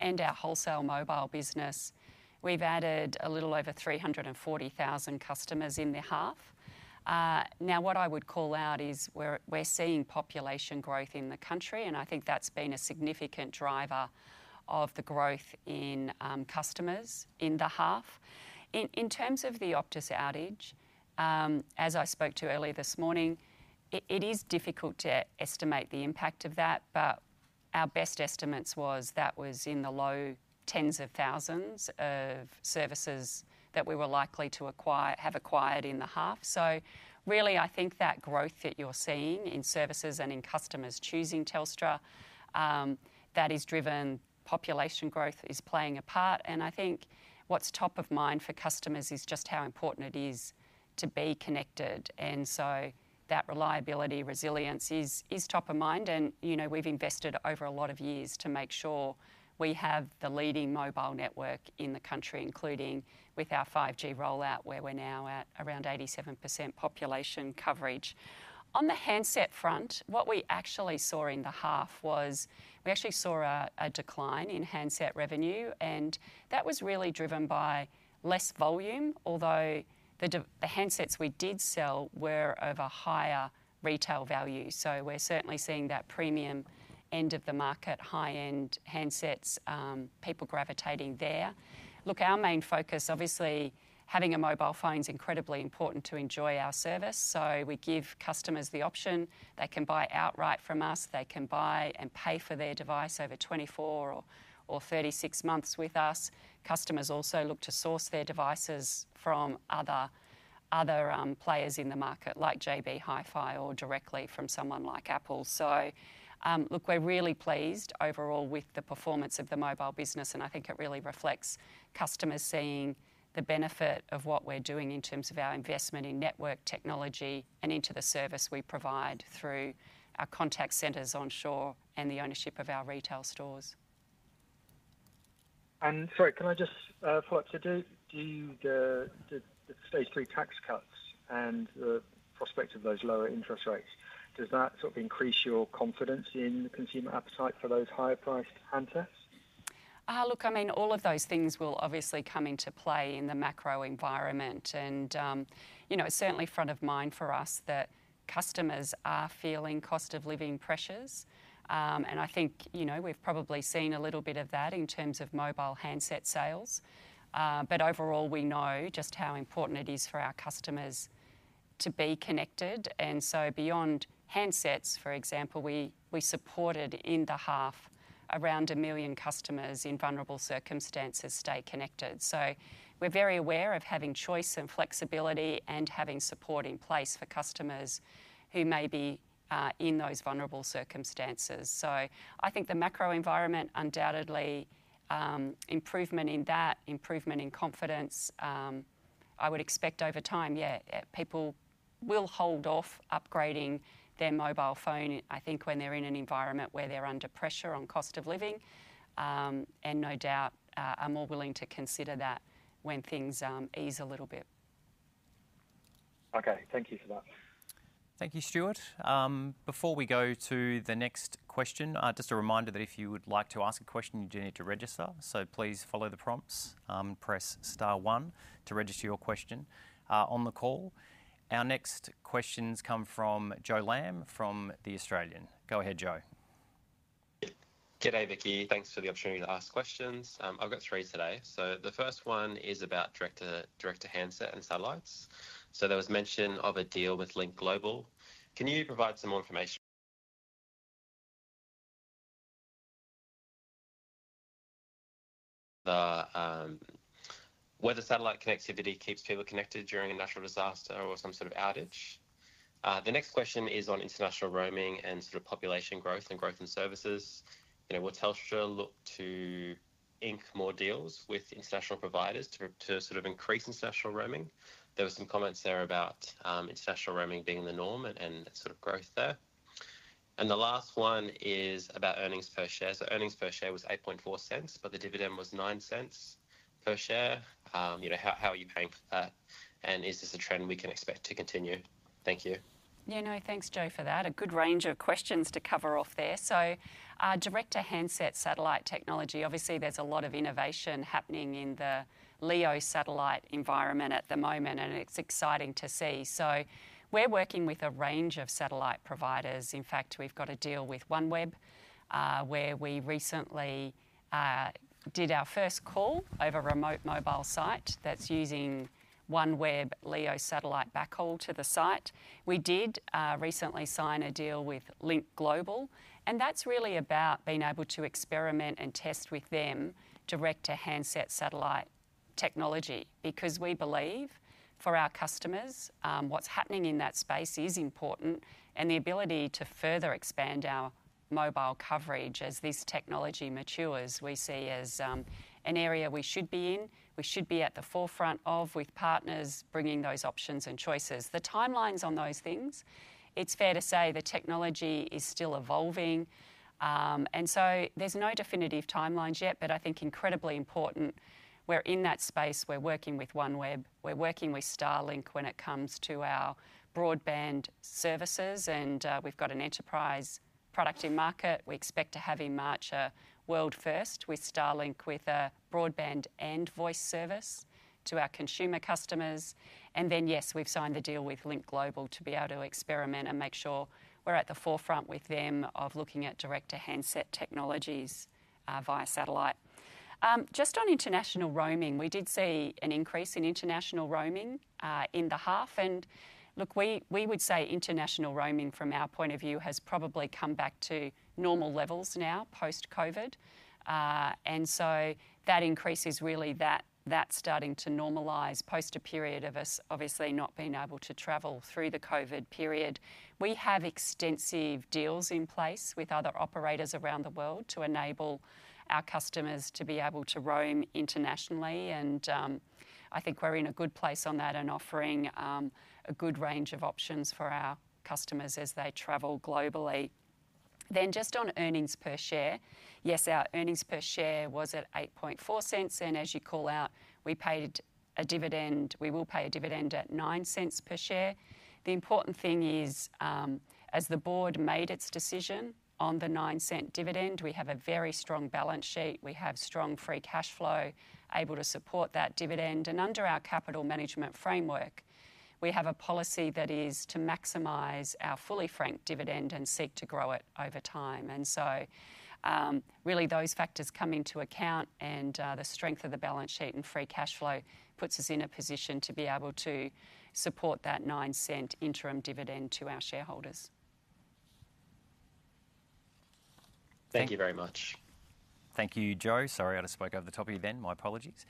and our wholesale mobile business, we've added a little over 340,000 customers in the half. Now, what I would call out is we're seeing population growth in the country, and I think that's been a significant driver of the growth in customers in the half. In terms of the Optus outage, as I spoke to earlier this morning, it is difficult to estimate the impact of that, but our best estimates was that was in the low tens of thousands of services that we were likely to acquire, have acquired in the half. So really, I think that growth that you're seeing in services and in customers choosing Telstra, that is driven... Population growth is playing a part, and I think what's top of mind for customers is just how important it is to be connected. And so that reliability, resilience is top of mind, and you know, we've invested over a lot of years to make sure we have the leading mobile network in the country, including with our 5G rollout, where we're now at around 87% population coverage. On the handset front, what we actually saw in the half was we actually saw a decline in handset revenue, and that was really driven by less volume, although the handsets we did sell were of a higher retail value. So we're certainly seeing that premium end of the market, high-end handsets, people gravitating there. Look, our main focus, obviously, having a mobile phone is incredibly important to enjoy our service, so we give customers the option. They can buy outright from us. They can buy and pay for their device over 24 or 36 months with us. Customers also look to source their devices from other players in the market, like JB Hi-Fi or directly from someone like Apple. So, look, we're really pleased overall with the performance of the mobile business, and I think it really reflects customers seeing the benefit of what we're doing in terms of our investment in network technology and into the service we provide through our contact centers onshore and the ownership of our retail stores.... Sorry, can I just follow up? So, the Stage Three tax cuts and the prospect of those lower interest rates, does that sort of increase your confidence in the consumer appetite for those higher priced handsets? Look, I mean, all of those things will obviously come into play in the macro environment. And, you know, it's certainly front of mind for us that customers are feeling cost of living pressures. And I think, you know, we've probably seen a little bit of that in terms of mobile handset sales. But overall, we know just how important it is for our customers to be connected. And so beyond handsets, for example, we, we supported in the half, around 1 million customers in vulnerable circumstances stay connected. So we're very aware of having choice and flexibility and having support in place for customers who may be, in those vulnerable circumstances. So I think the macro environment, undoubtedly, improvement in that, improvement in confidence. I would expect over time people will hold off upgrading their mobile phone, I think, when they're in an environment where they're under pressure on cost of living, and no doubt are more willing to consider that when things ease a little bit. Okay. Thank you for that. Thank you, Stuart. Before we go to the next question, just a reminder that if you would like to ask a question, you do need to register. So please follow the prompts. Press star one to register your question on the call. Our next questions come from Joe Lamb from The Australian. Go ahead, Joe. G'day, Vicki. Thanks for the opportunity to ask questions. I've got three today. So the first one is about direct to handset and satellites. So there was mention of a deal with Lynk Global. Can you provide some more information whether satellite connectivity keeps people connected during a natural disaster or some sort of outage? The next question is on international roaming and sort of population growth and growth in services. You know, will Telstra look to ink more deals with international providers to sort of increase international roaming? There were some comments there about international roaming being the norm and sort of growth there. And the last one is about earnings per share. Earnings per share was 0.084, but the dividend was 0.09 per share. You know, how are you paying for that? Is this a trend we can expect to continue? Thank you. Yeah, no, thanks, Joe, for that. A good range of questions to cover off there. So, direct-to-handset satellite technology, obviously there's a lot of innovation happening in the LEO satellite environment at the moment, and it's exciting to see. So we're working with a range of satellite providers. In fact, we've got a deal with OneWeb, where we recently did our first call over remote mobile site that's using OneWeb LEO satellite backhaul to the site. We did recently sign a deal with Lynk Global, and that's really about being able to experiment and test with them direct-to-handset satellite technology, because we believe for our customers, what's happening in that space is important, and the ability to further expand our mobile coverage as this technology matures, we see as an area we should be in, we should be at the forefront of with partners, bringing those options and choices. The timelines on those things, it's fair to say the technology is still evolving. And so there's no definitive timelines yet, but I think incredibly important we're in that space. We're working with OneWeb, we're working with Starlink when it comes to our broadband services, and we've got an enterprise product in market. We expect to have in March a world first with Starlink, with a broadband and voice service to our consumer customers. And then, yes, we've signed a deal with Lynk Global to be able to experiment and make sure we're at the forefront with them of looking at direct-to-handset technologies, via satellite. Just on international roaming, we did see an increase in international roaming, in the half. And look, we, we would say international roaming from our point of view, has probably come back to normal levels now, post-COVID. And so that increase is really that, that's starting to normalize post a period of us obviously not being able to travel through the COVID period. We have extensive deals in place with other operators around the world to enable our customers to be able to roam internationally, and, I think we're in a good place on that and offering, a good range of options for our customers as they travel globally. Then just on earnings per share. Yes, our earnings per share was at 0.084, and as you call out, we paid a dividend... We will pay a dividend at 0.09 per share. The important thing is, as the board made its decision on the 0.09 dividend, we have a very strong balance sheet. We have strong free cash flow, able to support that dividend. And under our capital management framework, we have a policy that is to maximize our fully franked dividend and seek to grow it over time. So, really those factors come into account, and the strength of the balance sheet and free cash flow puts us in a position to be able to support that 0.09 interim dividend to our shareholders. Thank you very much. Thank you, Joe. Sorry, I just spoke over the top of you then. My apologies.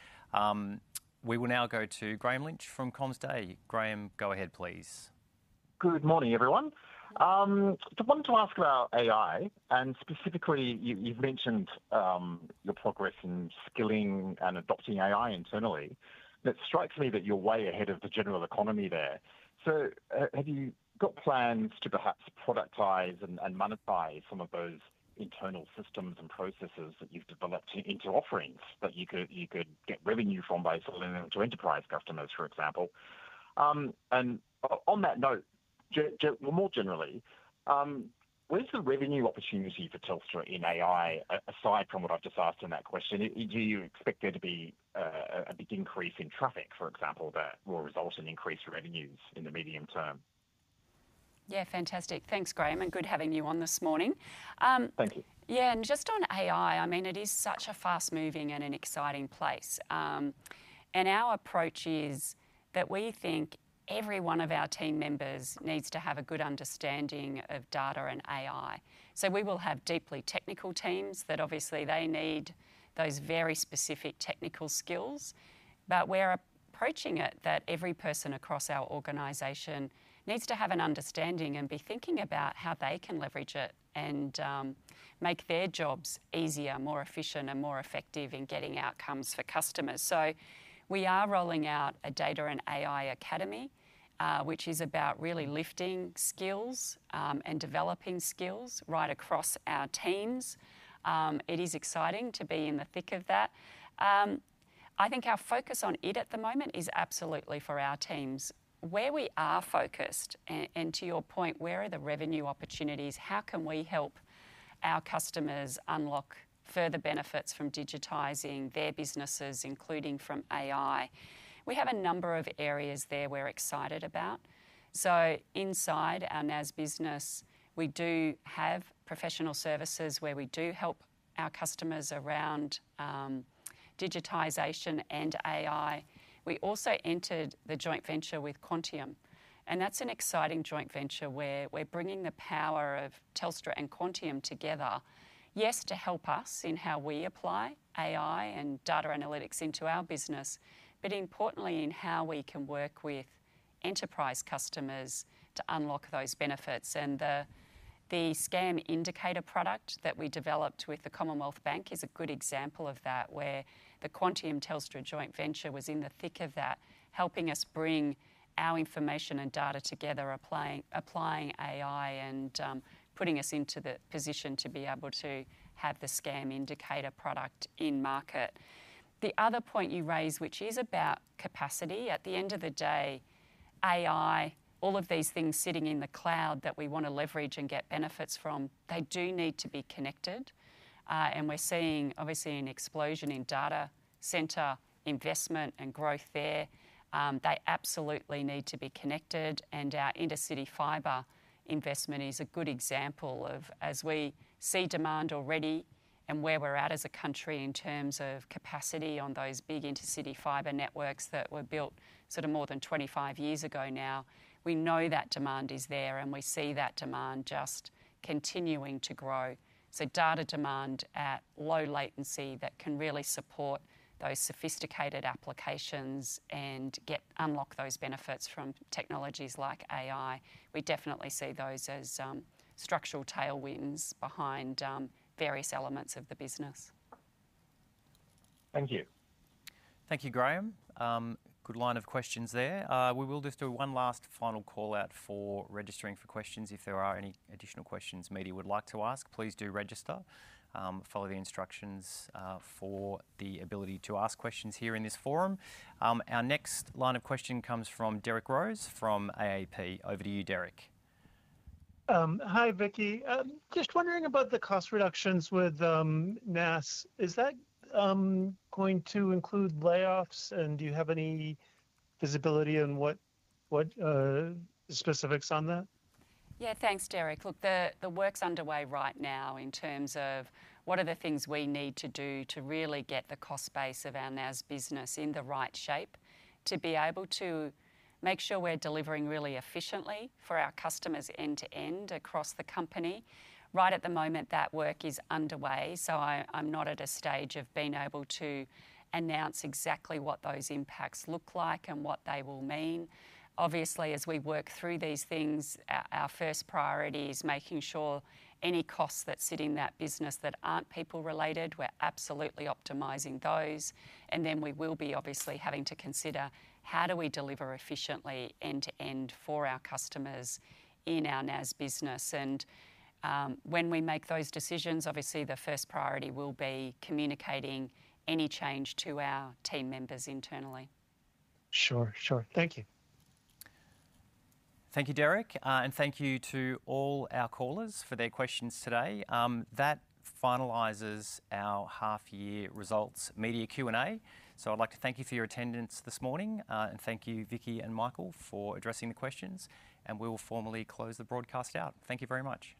We will now go to Grahame Lynch from CommsDay. Graham, go ahead, please. Good morning, everyone. I wanted to ask about AI, and specifically, you've mentioned the progress in skilling and adopting AI internally. It strikes me that you're way ahead of the general economy there. So, have you got plans to perhaps productize and monetize some of those internal systems and processes that you've developed into offerings that you could get revenue from by selling them to enterprise customers, for example? And on that note, well, more generally, where's the revenue opportunity for Telstra in AI, aside from what I've just asked in that question? Do you expect there to be a big increase in traffic, for example, that will result in increased revenues in the medium term? Yeah, fantastic. Thanks, Graham, and good having you on this morning. Thank you. Yeah, and just on AI, I mean, it is such a fast-moving and an exciting place. And our approach is that we think every one of our team members needs to have a good understanding of data and AI. So we will have deeply technical teams that obviously they need those very specific technical skills, but we're approaching it that every person across our organization needs to have an understanding and be thinking about how they can leverage it, and make their jobs easier, more efficient, and more effective in getting outcomes for customers. So we are rolling out a data and AI academy, which is about really lifting skills and developing skills right across our teams. It is exciting to be in the thick of that. I think our focus on it at the moment is absolutely for our teams. Where we are focused, and to your point, where are the revenue opportunities? How can we help our customers unlock further benefits from digitizing their businesses, including from AI? We have a number of areas there we're excited about. So inside our NAS business, we do have professional services where we do help our customers around digitization and AI. We also entered the joint venture with Quantium, and that's an exciting joint venture, where we're bringing the power of Telstra and Quantium together, yes, to help us in how we apply AI and data analytics into our business, but importantly, in how we can work with enterprise customers to unlock those benefits. And the scam indicator product that we developed with the Commonwealth Bank is a good example of that, where the Quantium-Telstra joint venture was in the thick of that, helping us bring our information and data together, applying AI and putting us into the position to be able to have the scam indicator product in market. The other point you raise, which is about capacity, at the end of the day, AI, all of these things sitting in the cloud that we want to leverage and get benefits from, they do need to be connected. And we're seeing obviously an explosion in data center investment and growth there. They absolutely need to be connected, and our intercity fiber investment is a good example of, as we see demand already and where we're at as a country in terms of capacity on those big intercity fiber networks that were built sort of more than 25 years ago now, we know that demand is there, and we see that demand just continuing to grow. So data demand at low latency that can really support those sophisticated applications and unlock those benefits from technologies like AI, we definitely see those as structural tailwinds behind various elements of the business. Thank you. Thank you, Grahame. Good line of questions there. We will just do one last final call-out for registering for questions. If there are any additional questions media would like to ask, please do register. Follow the instructions for the ability to ask questions here in this forum. Our next line of questioning comes from Derek Rose from AAP. Over to you, Derek. Hi, Vicki. Just wondering about the cost reductions with NAS. Is that going to include layoffs, and do you have any visibility on what specifics on that? Yeah, thanks, Derek. Look, the work's underway right now in terms of what are the things we need to do to really get the cost base of our NAS business in the right shape, to be able to make sure we're delivering really efficiently for our customers end-to-end across the company. Right at the moment, that work is underway, so I'm not at a stage of being able to announce exactly what those impacts look like and what they will mean. Obviously, as we work through these things, our first priority is making sure any costs that sit in that business that aren't people-related, we're absolutely optimizing those. And then we will be obviously having to consider how do we deliver efficiently end-to-end for our customers in our NAS business. When we make those decisions, obviously the first priority will be communicating any change to our team members internally. Sure, sure. Thank you. Thank you, Derek. And thank you to all our callers for their questions today. That finalizes our half year results media Q&A. So I'd like to thank you for your attendance this morning, and thank you, Vicki and Michael, for addressing the questions, and we will formally close the broadcast out. Thank you very much.